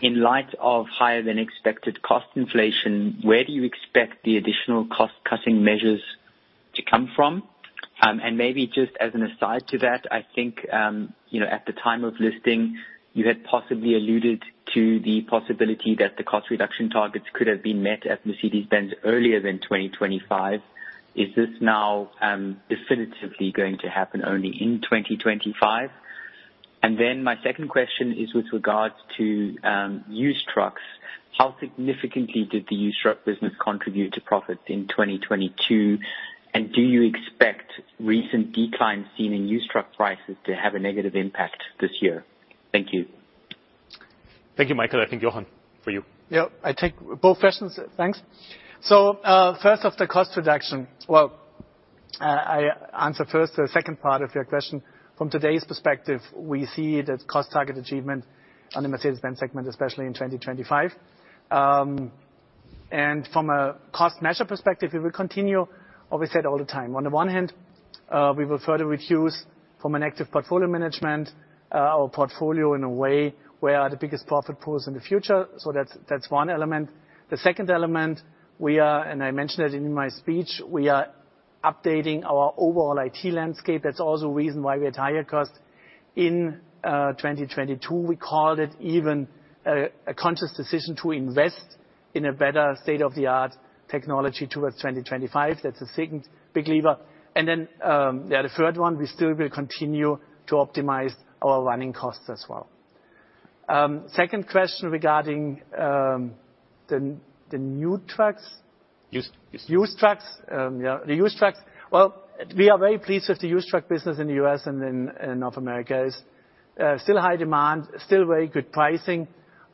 In light of higher than expected cost inflation, where do you expect the additional cost-cutting measures to come from? And maybe just as an aside to that, I think, you know, at the time of listing, you had possibly alluded to the possibility that the cost reduction targets could have been met at Mercedes-Benz earlier than 2025. Is this now definitively going to happen only in 2025? My second question is with regards to used trucks. How significantly did the used truck business contribute to profits in 2022? Do you expect recent declines seen in used truck prices to have a negative impact this year? Thank you. Thank you, Michael. I think, Jochen, for you. Yeah, I take both questions. Thanks. First off, the cost reduction. Well, I answer first the second part of your question. From today's perspective, we see that cost target achievement on the Mercedes-Benz segment, especially in 2025. From a cost measure perspective, we will continue, obviously at all the time. On the one hand, we will further reduce from an active portfolio management, our portfolio in a way where are the biggest profit pools in the future. That's one element. The second element, we are, I mentioned it in my speech, we are updating our overall IT landscape. That's also a reason why we had higher costs in 2022. We called it even a conscious decision to invest in a better state-of-the-art technology towards 2025. That's the second big lever. Yeah, the third one, we still will continue to optimize our running costs as well. Second question regarding the new trucks. Used trucks. Used trucks. Yeah, the used trucks. Well, we are very pleased with the used truck business in the U.S. and in North America. It's still high demand, still very good pricing.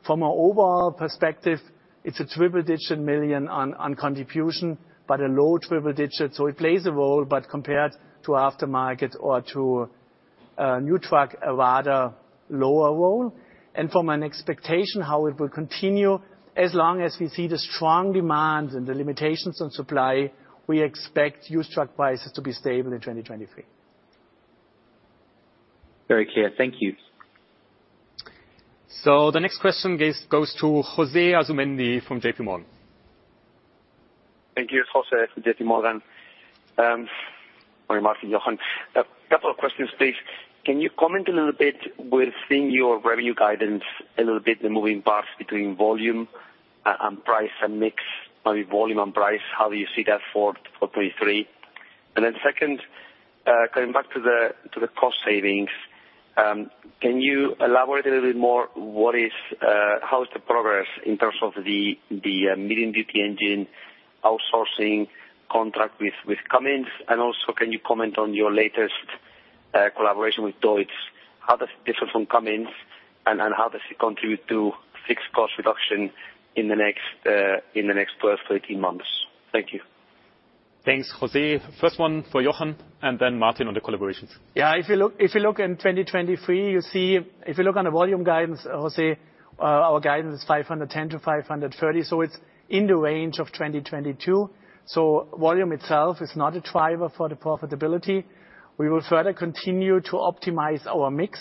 From an overall perspective, it's a triple-digit million EUR on contribution, but a low triple-digit. It plays a role, but compared to aftermarket or to new truck, a rather lower role. From an expectation how it will continue, as long as we see the strong demand and the limitations on supply, we expect used truck prices to be stable in 2023. Very clear. Thank you. The next question goes to José Asumendi from JPMorgan. Thank you. It's José from JPMorgan. Good morning, Martin and Jochen. A couple of questions, please. Can you comment a little bit within your revenue guidance a little bit, the moving parts between volume and price and mix? Maybe volume and price, how do you see that for 2023? Second, going back to the cost savings, can you elaborate a little bit more how is the progress in terms of the medium-duty engine outsourcing contract with Cummins? Also, can you comment on your latest collaboration with DEUTZ? How does it differ from Cummins, and how does it contribute to fixed cost reduction in the next 12 to 18 months? Thank you. Thanks, José. First one for Jochen, and then Martin on the collaborations. Yeah, if you look in 2023, you see. If you look on the volume guidance, José, our guidance is 510-530, so it's in the range of 2022. Volume itself is not a driver for the profitability. We will further continue to optimize our mix.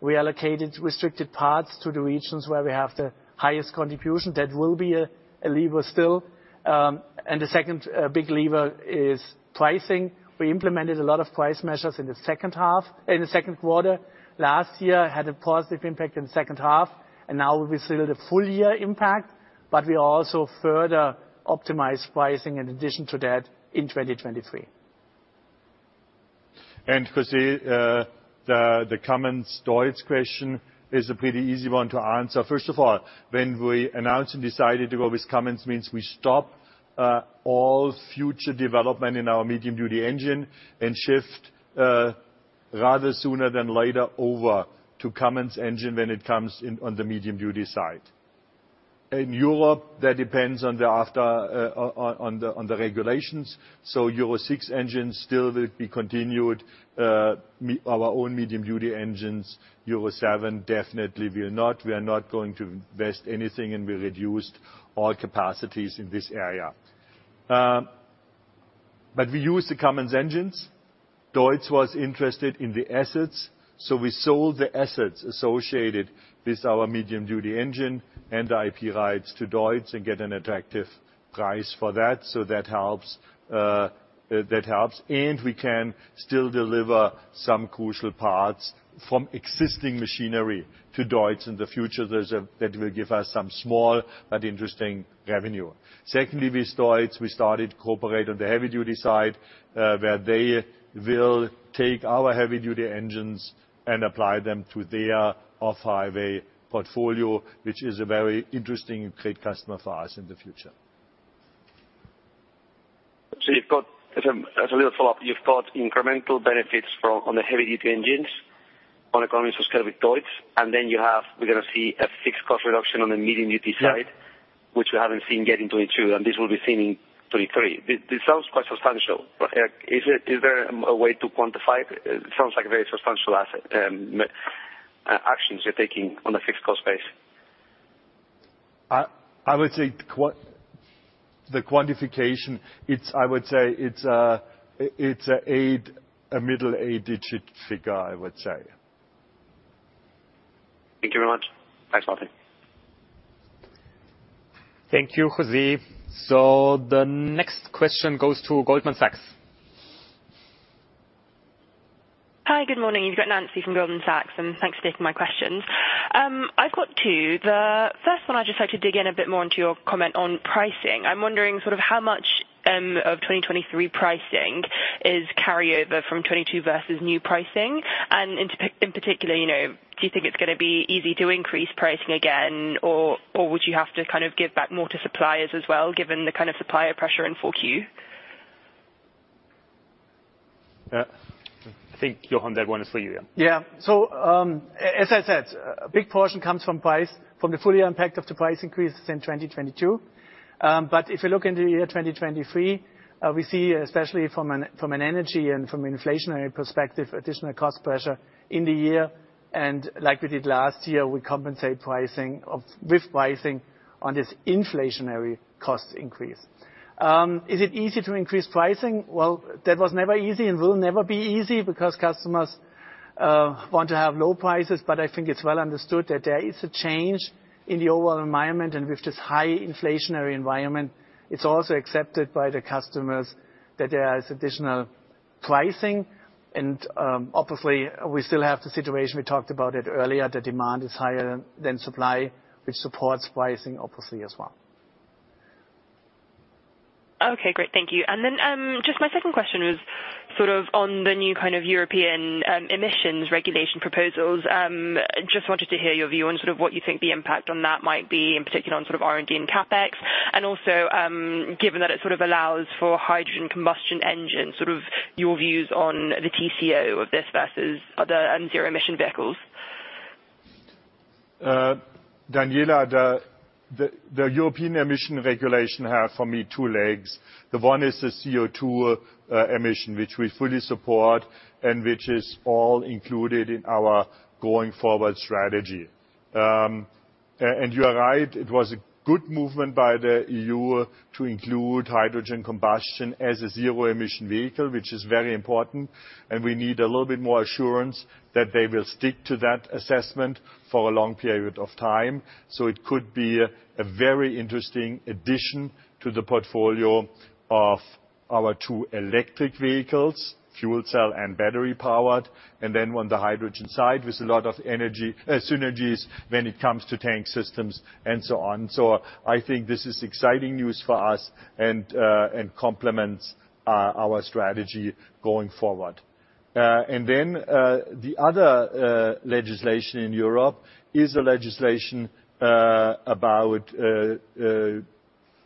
We allocated restricted parts to the regions where we have the highest contribution. That will be a lever still. The second big lever is pricing. We implemented a lot of price measures in the second half, in the second quarter. Last year had a positive impact in the second half, and now we will see the full year impact, but we also further optimize pricing in addition to that in 2023. José, the Cummins DEUTZ question is a pretty easy one to answer. First of all, when we announced and decided to go with Cummins means we stop all future development in our medium-duty engine and shift rather sooner than later over to Cummins engine when it comes in on the medium-duty side. In Europe, that depends on the after on the regulations. Euro VI engines still will be continued, our own medium-duty engines. Euro 7 definitely will not. We are not going to invest anything, and we reduced our capacities in this area. We use the Cummins engines. DEUTZ was interested in the assets, we sold the assets associated with our medium-duty engine and the IP rights to DEUTZ and get an attractive price for that. That helps, that helps. We can still deliver some crucial parts from existing machinery to DEUTZ in the future. That will give us some small but interesting revenue. Secondly, with DEUTZ, we started to cooperate on the heavy-duty side, where they will take our heavy-duty engines and apply them to their off-highway portfolio, which is a very interesting and great customer for us in the future. You've got incremental benefits from, on the heavy-duty engines on account of your association with DEUTZ, and then you have, we're gonna see a fixed cost reduction on the medium-duty side. Yeah. which we haven't seen yet in 2022, and this will be seen in 2023. This sounds quite substantial. Is it, is there a way to quantify it? It sounds like a very substantial asset, actions you're taking on the fixed cost base. I would say the quantification, it's, I would say, it's a 8, a middle 8-digit figure, I would say. Thank you very much. Thanks a lot. Thank you, José. The next question goes to Goldman Sachs. Hi. Good morning. You've got Nancy from Goldman Sachs. Thanks for taking my questions. I've got two. The first one, I'd just like to dig in a bit more into your comment on pricing. I'm wondering sort of how much of 2023 pricing is carryover from 2022 versus new pricing. In particular, you know, do you think it's gonna be easy to increase pricing again, or would you have to kind of give back more to suppliers as well, given the kind of supplier pressure in Q4? I think, Jochen, that one is for you, yeah. As I said, a big portion comes from price, from the fully impact of the price increases in 2022. If you look into year 2023, we see, especially from an energy and from an inflationary perspective, additional cost pressure in the year. Like we did last year, we compensate pricing with pricing on this inflationary cost increase. Is it easy to increase pricing? Well, that was never easy and will never be easy because customers want to have low prices, but I think it's well understood that there is a change in the overall environment. With this high inflationary environment, it's also accepted by the customers that there is additional pricing. Obviously, we still have the situation, we talked about it earlier, the demand is higher than supply, which supports pricing obviously as well. Okay, great. Thank you. Just my second question was sort of on the new kind of European emissions regulation proposals. Just wanted to hear your view on sort of what you think the impact on that might be, in particular on sort of R&D and CapEx, also given that it sort of allows for hydrogen combustion engine, sort of your views on the TCO of this versus other zero emission vehicles? Daniela, the European emission regulation have, for me, two legs. The one is the CO2 emission, which we fully support and which is all included in our going forward strategy. And you are right, it was a good movement by the EU to include hydrogen combustion as a zero emission vehicle, which is very important. We need a little bit more assurance that they will stick to that assessment for a long period of time. It could be a very interesting addition to the portfolio of our two electric vehicles, fuel cell and battery-powered, and then on the hydrogen side, with a lot of energy synergies when it comes to tank systems and so on. I think this is exciting news for us and complements our strategy going forward. The other legislation in Europe is a legislation about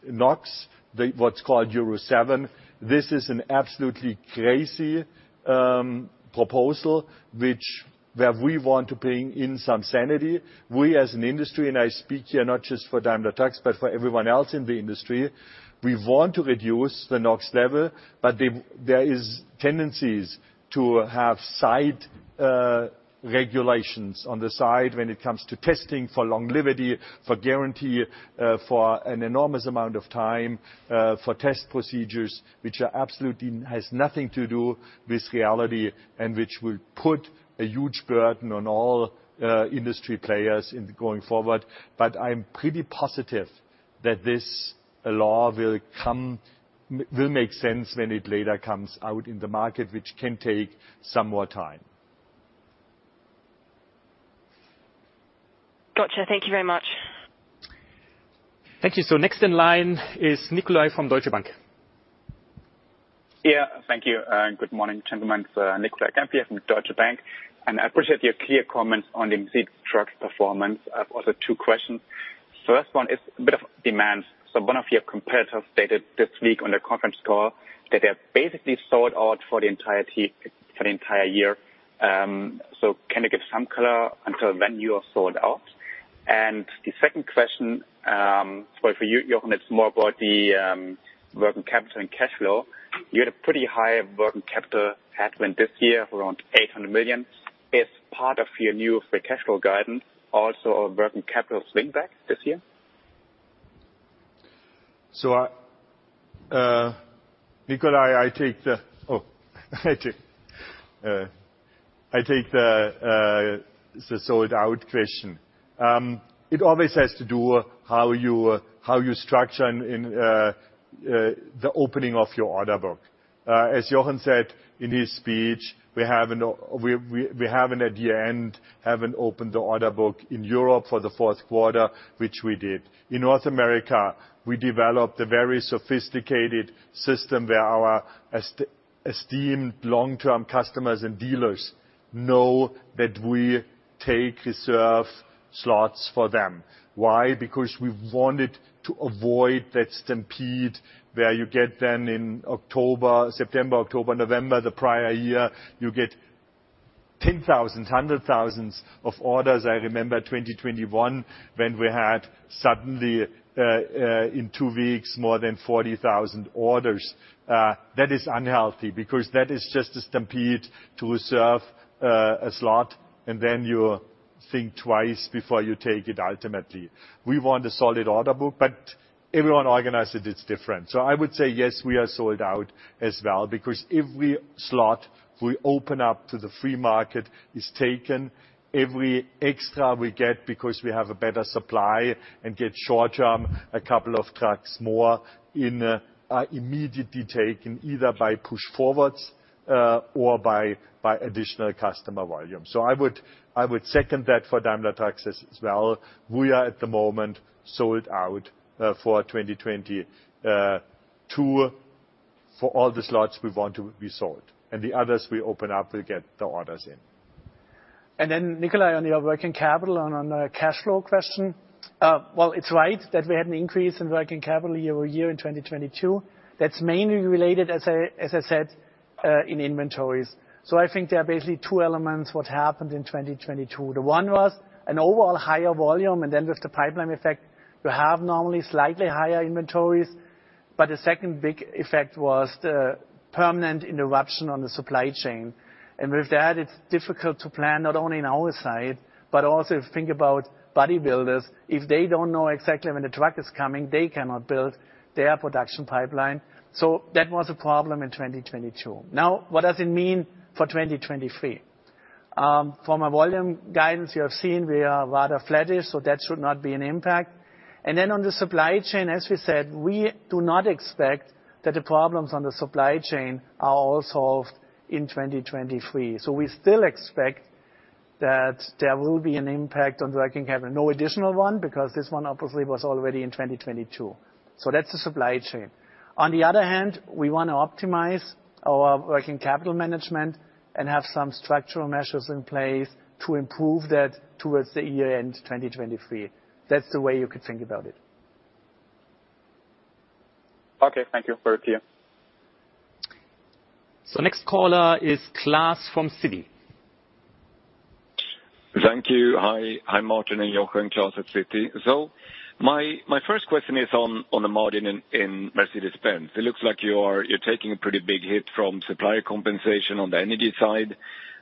NOx, what's called Euro 7. This is an absolutely crazy proposal, where we want to bring in some sanity. We as an industry, and I speak here not just for Daimler Truck, but for everyone else in the industry, we want to reduce the NOx level, but there is tendencies to have side regulations on the side when it comes to testing for longevity, for guarantee, for an enormous amount of time, for test procedures, which are absolutely has nothing to do with reality and which will put a huge burden on all industry players in going forward. I'm pretty positive that this law will come, will make sense when it later comes out in the market, which can take some more time. Gotcha. Thank you very much. Thank you. next in line is Nicolai from Deutsche Bank. Thank you, good morning, gentlemen. It's Nicolai Kempf from Deutsche Bank. I appreciate your clear comments on the Mercedes trucks performance. I have also two questions. First one is a bit of demand. One of your competitors stated this week on the conference call that they're basically sold out for the entire year. Can you give some color until when you are sold out? The second question, it's more for you, Jochen, it's more about the working capital and cash flow. You had a pretty high working capital headwind this year of around EUR 800 million. Is part of your new free cash flow guidance also a working capital swing back this year? Nicolai, I take the sold-out question. It always has to do how you structure in the opening of your order book. As Jochen said in his speech, we haven't at year-end, haven't opened the order book in Europe for the fourth quarter, which we did. In North America, we developed a very sophisticated system where our esteemed long-term customers and dealers know that we take reserve slots for them. Why? Because we wanted to avoid that stampede where you get then in October, September, October, November the prior year, you get 10,000s, 100,000s of orders. I remember 2021 when we had suddenly in 2 weeks, more than 40,000 orders. That is unhealthy because that is just a stampede to reserve a slot, and then you think twice before you take it ultimately. Everyone organizes it different. I would say, yes, we are sold out as well, because every slot we open up to the free market is taken. Every extra we get because we have a better supply and get short-term a couple of trucks more in are immediately taken, either by push forwards or by additional customer volume. I would second that for Daimler Trucks as well. We are at the moment sold out for 2022. For all the slots we want to be sold, and the others we open up, we'll get the orders in. Nicolai, on your working capital and on the cash flow question. Well, it's right that we had an increase in working capital year-over-year in 2022. That's mainly related, as I said, in inventories. I think there are basically two elements what happened in 2022. The one was an overall higher volume, and then with the pipeline effect, you have normally slightly higher inventories. The second big effect was the permanent interruption on the supply chain. With that, it's difficult to plan not only in our side, but also if you think about body builders. If they don't know exactly when the truck is coming, they cannot build their production pipeline. That was a problem in 2022. Now, what does it mean for 2023? From a volume guidance, you have seen we are rather flattish, that should not be an impact. On the supply chain, as we said, we do not expect that the problems on the supply chain are all solved in 2023. We still expect that there will be an impact on working capital. No additional one, because this one obviously was already in 2022. That's the supply chain. On the other hand, we want to optimize our working capital management and have some structural measures in place to improve that towards the year-end 2023. That's the way you could think about it. Okay. Thank you. Over to you. Next caller is Klas from Citi. Thank you. Hi. Hi, Martin and Jochen. Klas at Citi. My first question is on the margin in Mercedes-Benz. It looks like you're taking a pretty big hit from supplier compensation on the energy side,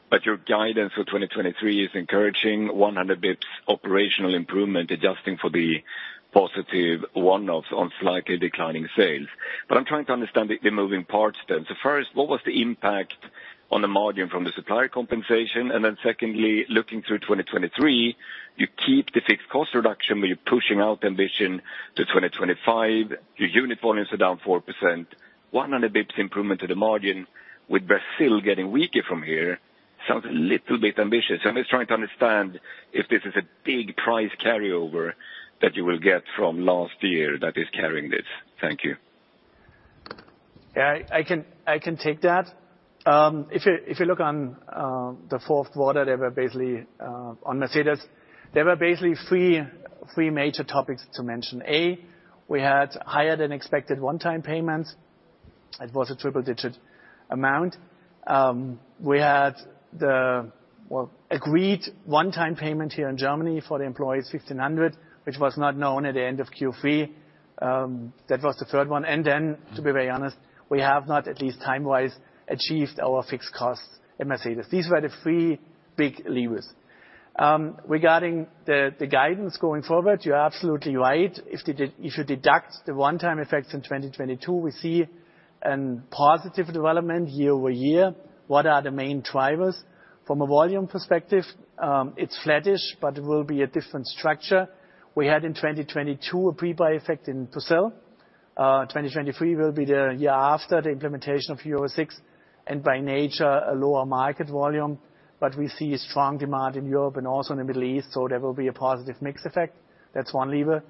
but your guidance for 2023 is encouraging 100 basis points operational improvement, adjusting for the positive one-offs on slightly declining sales. I'm trying to understand the moving parts then. First, what was the impact on the margin from the supplier compensation? Secondly, looking through 2023, you keep the fixed cost reduction, but you're pushing out the ambition to 2025. Your unit volumes are down 4%, 100 basis points improvement to the margin with Brazil getting weaker from here. Sounds a little bit ambitious. I'm just trying to understand if this is a big price carryover that you will get from last year that is carrying this. Thank you. Yeah, I can take that. If you look on the fourth quarter, there were basically on Mercedes, there were basically three major topics to mention. A, we had higher-than-expected one-time payments. It was a triple-digit amount. We had the, well, agreed one-time payment here in Germany for the employees, 1,500, which was not known at the end of Q3. That was the third one. To be very honest, we have not, at least time-wise, achieved our fixed costs at Mercedes. These were the three big levers. Regarding the guidance going forward, you're absolutely right. If you deduct the one-time effects in 2022, we see a positive development year-over-year. What are the main drivers? From a volume perspective, it's flattish, but it will be a different structure. We had in 2022 a pre-buy effect in Brazil. 2023 will be the year after the implementation of Euro VI, by nature, a lower market volume. We see a strong demand in Europe and also in the Middle East, there will be a positive mix effect. That's one lever.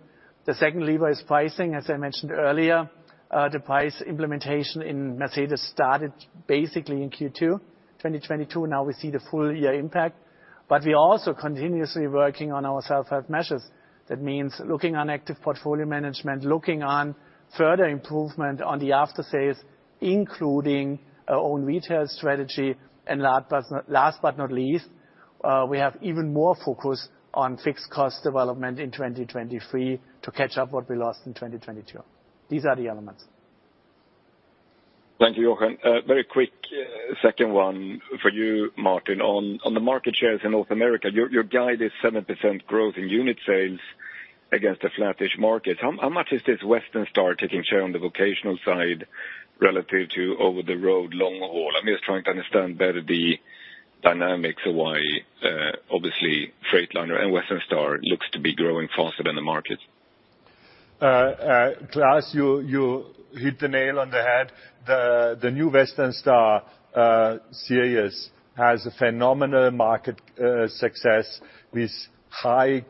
The second lever is pricing. As I mentioned earlier, the price implementation in Mercedes started basically in Q2 2022. Now we see the full year impact. We are also continuously working on our self-help measures. That means looking on active portfolio management, looking on further improvement on the aftersales, including our own retail strategy. Last but not least, we have even more focus on fixed cost development in 2023 to catch up what we lost in 2022. These are the elements. Thank you, Jochen. A very quick second one for you, Martin. On the market shares in North America, your guide is 7% growth in unit sales against a flattish market. How much is this Western Star taking share on the vocational side relative to over-the-road long haul? I'm just trying to understand better the dynamics of why obviously Freightliner and Western Star looks to be growing faster than the market. Klas, you hit the nail on the head. The new Western Star series has a phenomenal market success with high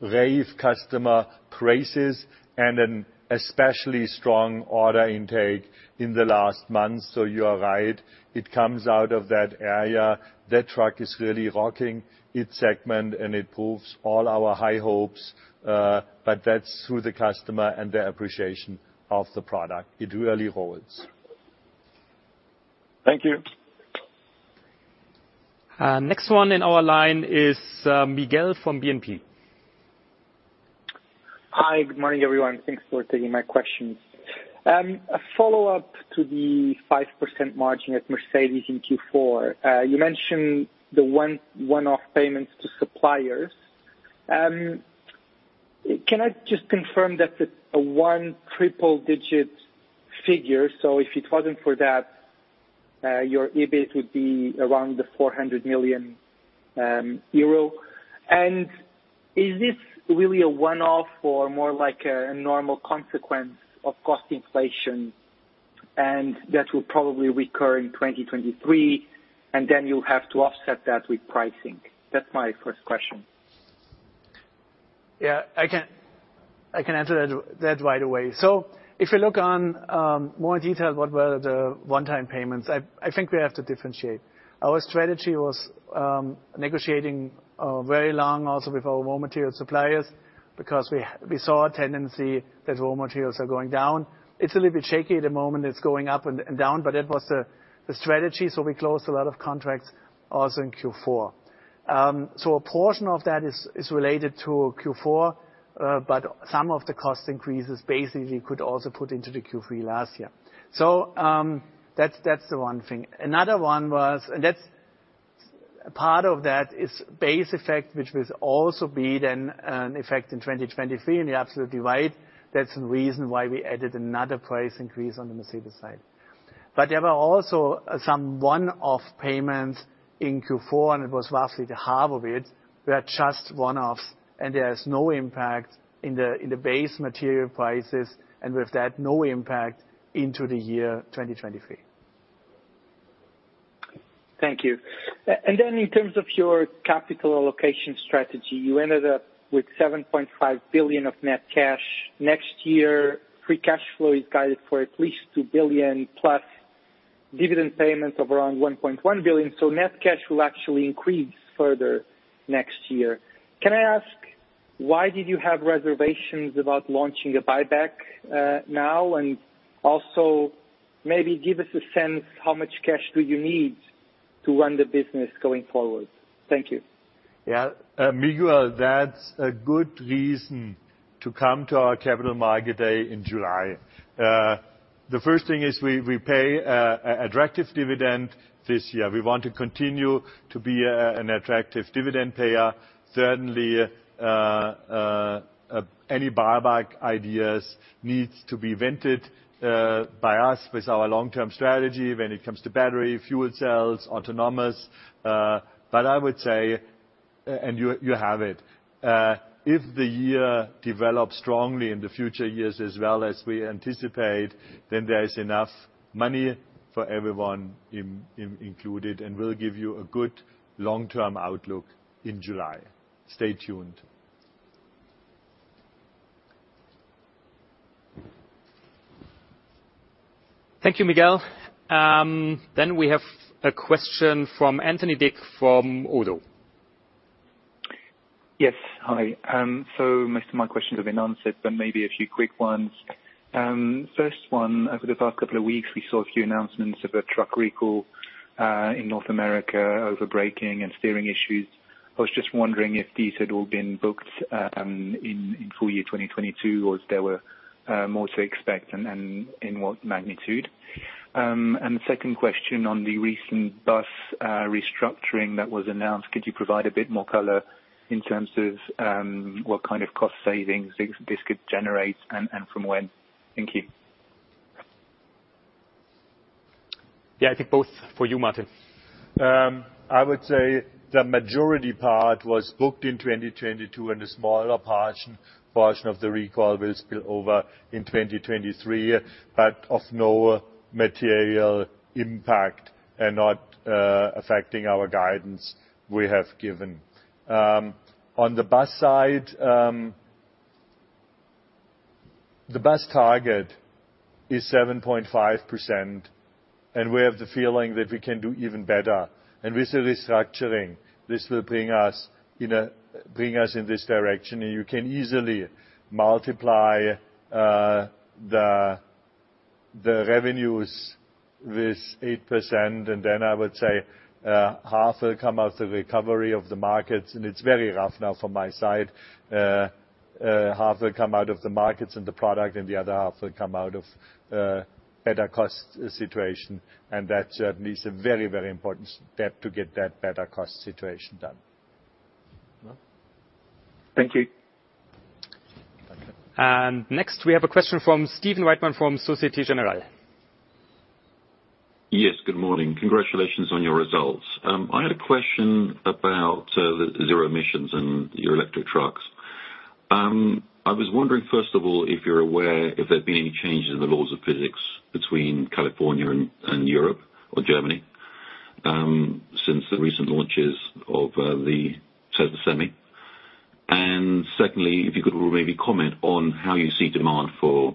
rave customer praises and an especially strong order intake in the last months. You are right, it comes out of that area. That truck is really rocking its segment, and it proves all our high hopes, but that's through the customer and their appreciation of the product. It really holds. Thank you. Next one in our line is Miguel from BNP Paribas Exane. Hi. Good morning, everyone. Thanks for taking my questions. A follow-up to the 5% margin at Mercedes-Benz in Q4. You mentioned the one-off payments to suppliers. Can I just confirm that it's a 1 triple-digit figure, so if it wasn't for that, your EBIT would be around 400 million euro? Is this really a one-off or more like a normal consequence of cost inflation, and that will probably recur in 2023, then you'll have to offset that with pricing? That's my first question. Yeah, I can answer that right away. If you look on more detail what were the one-time payments, I think we have to differentiate. Our strategy was negotiating very long also with our raw material suppliers because we saw a tendency that raw materials are going down. It's a little bit shaky at the moment. It's going up and down, but it was the strategy. We closed a lot of contracts also in Q4. A portion of that is related to Q4, but some of the cost increases basically could also put into the Q3 last year. That's the one thing. Another one was. Part of that is base effect, which will also be then an effect in 2023, and you're absolutely right. That's the reason why we added another price increase on the Mercedes side. There were also some one-off payments in Q4, and it was roughly the half of it, were just one-offs, and there's no impact in the, in the base material prices, and with that, no impact into the year 2023. Thank you. Then in terms of your capital allocation strategy, you ended up with 7.5 billion of net cash. Next year, free cash flow is guided for at least 2 billion plus dividend payments of around 1.1 billion, net cash will actually increase further next year. Can I ask, why did you have reservations about launching a buyback, now? Also maybe give us a sense how much cash do you need to run the business going forward. Thank you. Yeah. Miguel, that's a good reason to come to our Capital Markets Day in July. The first thing is we pay a attractive dividend this year. We want to continue to be an attractive dividend payer. Certainly, any buyback ideas needs to be vetted by us with our long-term strategy when it comes to battery, fuel cells, autonomous. I would say, and you have it, if the year develops strongly in the future years as well as we anticipate, then there is enough money for everyone included, and we'll give you a good long-term outlook in July. Stay tuned. Thank you, Miguel. We have a question from Anthony Dick from Oddo. Yes. Hi. Most of my questions have been answered, but maybe a few quick ones. First one, over the past couple of weeks, we saw a few announcements of a truck recall in North America over braking and steering issues. I was just wondering if these had all been booked in full year 2022 or if there were more to expect and in what magnitude. The second question on the recent bus restructuring that was announced, could you provide a bit more color in terms of what kind of cost savings this could generate and from when? Thank you. Yeah. I think both for you, Martin. I would say the majority part was booked in 2022, and a smaller portion of the recall will spill over in 2023, but of no material impact and not affecting our guidance we have given. On the bus side, the bus target is 7.5%. We have the feeling that we can do even better. With the restructuring, this will bring us in this direction, and you can easily multiply the revenues with 8%. I would say half will come out the recovery of the markets, and it's very rough now from my side. half will come out of the markets and the product, and the other half will come out of better cost situation, and that is a very, very important step to get that better cost situation done. Thank you. Next, we have a question from Stephen Reitman from Société Générale. Yes. Good morning. Congratulations on your results. I had a question about the zero emissions and your electric trucks. I was wondering, first of all, if you're aware if there have been any changes in the laws of physics between California and Europe or Germany, since the recent launches of the Tesla Semi? Secondly, if you could maybe comment on how you see demand for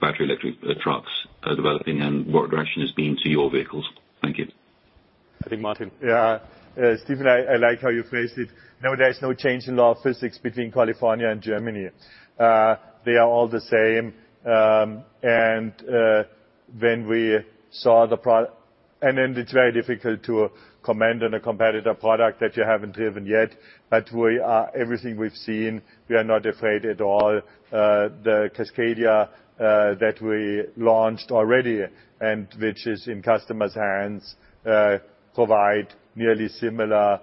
battery electric trucks developing and what direction has been to your vehicles? Thank you. I think Martin. Yeah. Stephen, I like how you phrased it. No, there is no change in law of physics between California and Germany. They are all the same. When we saw the... It's very difficult to comment on a competitor product that you haven't driven yet. Everything we've seen, we are not afraid at all. The Cascadia that we launched already and which is in customers' hands provide nearly similar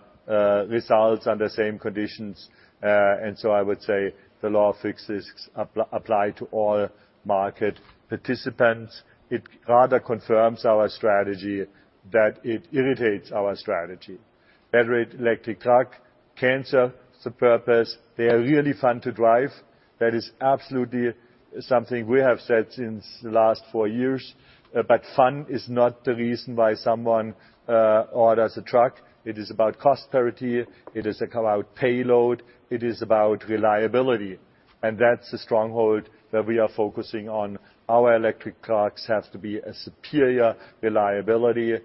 results under same conditions. I would say the law of physics apply to all market participants. It rather confirms our strategy that it irritates our strategy. Battery electric truck can serve the purpose. They are really fun to drive. That is absolutely something we have said since the last four years. Fun is not the reason why someone orders a truck. It is about cost parity, it is about payload, it is about reliability. That's the stronghold that we are focusing on. Our electric trucks have to be a superior reliability.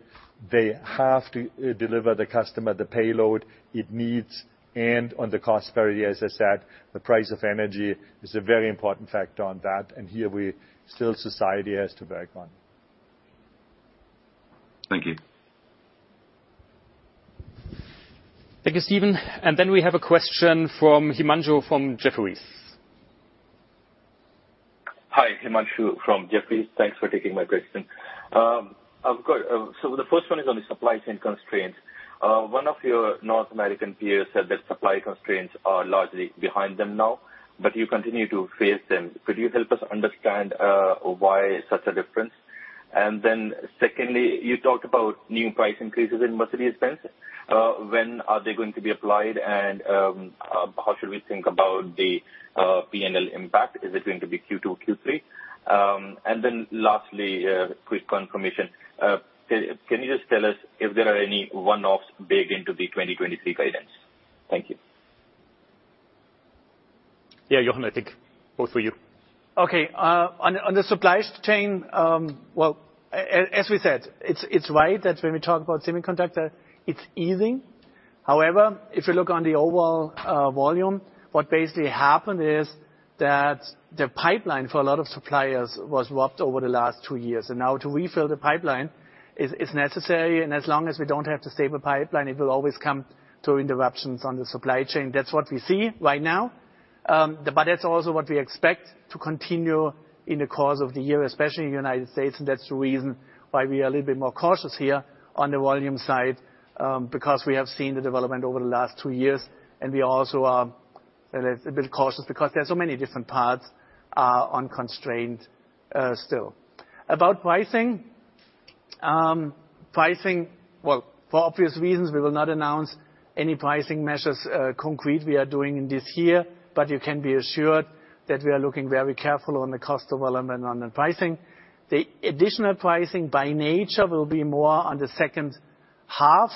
They have to deliver the customer the payload it needs and on the cost variety, as I said, the price of energy is a very important factor on that, and here we still society has to work on. Thank you. Thank you, Stephen. We have a question from Himanshu from Jefferies. Hi, Himanshu from Jefferies. Thanks for taking my question. I've got. The first one is on the supply chain constraints. One of your North American peers said that supply constraints are largely behind them now, but you continue to face them. Could you help us understand why such a difference? Secondly, you talked about new price increases in Mercedes-Benz. When are they going to be applied, and how should we think about the P&L impact? Is it going to be Q2, Q3? Lastly, quick confirmation. Can you just tell us if there are any one-offs baked into the 2023 guidance? Thank you. Yeah, Jochen, I think both for you. Okay. On the supply chain, well, as we said, it's right that when we talk about semiconductor, it's easing. However, if you look on the overall volume, what basically happened is that the pipeline for a lot of suppliers was robbed over the last two years. Now to refill the pipeline is necessary, and as long as we don't have the stable pipeline, it will always come to interruptions on the supply chain. That's what we see right now. That's also what we expect to continue in the course of the year, especially in the United States, and that's the reason why we are a little bit more cautious here on the volume side, because we have seen the development over the last two years, and we also are a little bit cautious because there are so many different parts on constraint still. About pricing. Well, for obvious reasons, we will not announce any pricing measures concrete we are doing in this year, but you can be assured that we are looking very careful on the cost development on the pricing. The additional pricing by nature will be more on the second half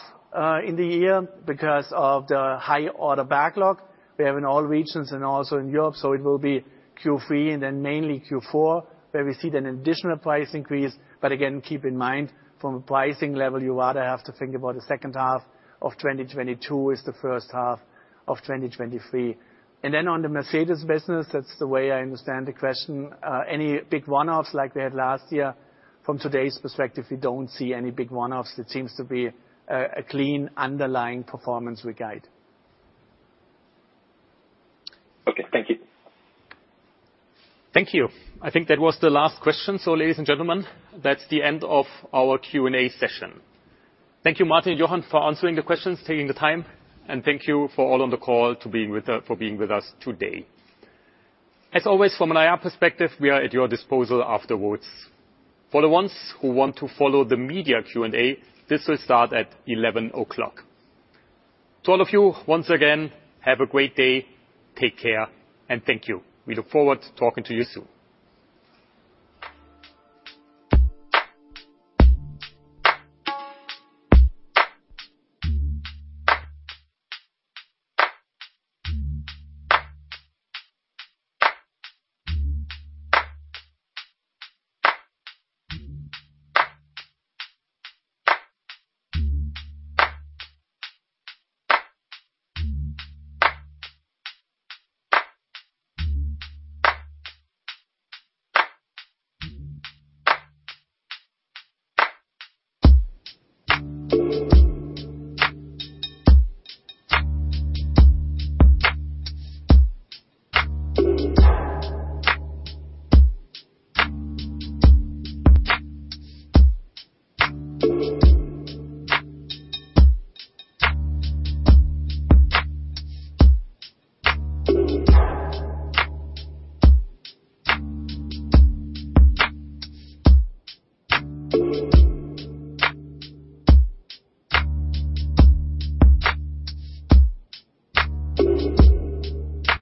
in the year because of the high order backlog we have in all regions and also in Europe, so it will be Q3 and then mainly Q4 where we see an additional price increase. Again, keep in mind, from a pricing level, you rather have to think about the second half of 2022 is the first half of 2023. Then on the Mercedes-Benz business, that's the way I understand the question. Any big one-offs like we had last year, from today's perspective, we don't see any big one-offs. It seems to be a clean underlying performance we guide. Okay. Thank you. Thank you. I think that was the last question. Ladies and gentlemen, that's the end of our Q&A session. Thank you, Martin and Jochen, for answering the questions, taking the time, and thank you for all on the call for being with us today. As always, from an IR perspective, we are at your disposal afterwards. For the ones who want to follow the media Q&A, this will start at 11:00 A.M. To all of you, once again, have a great day, take care, and thank you. We look forward to talking to you soon.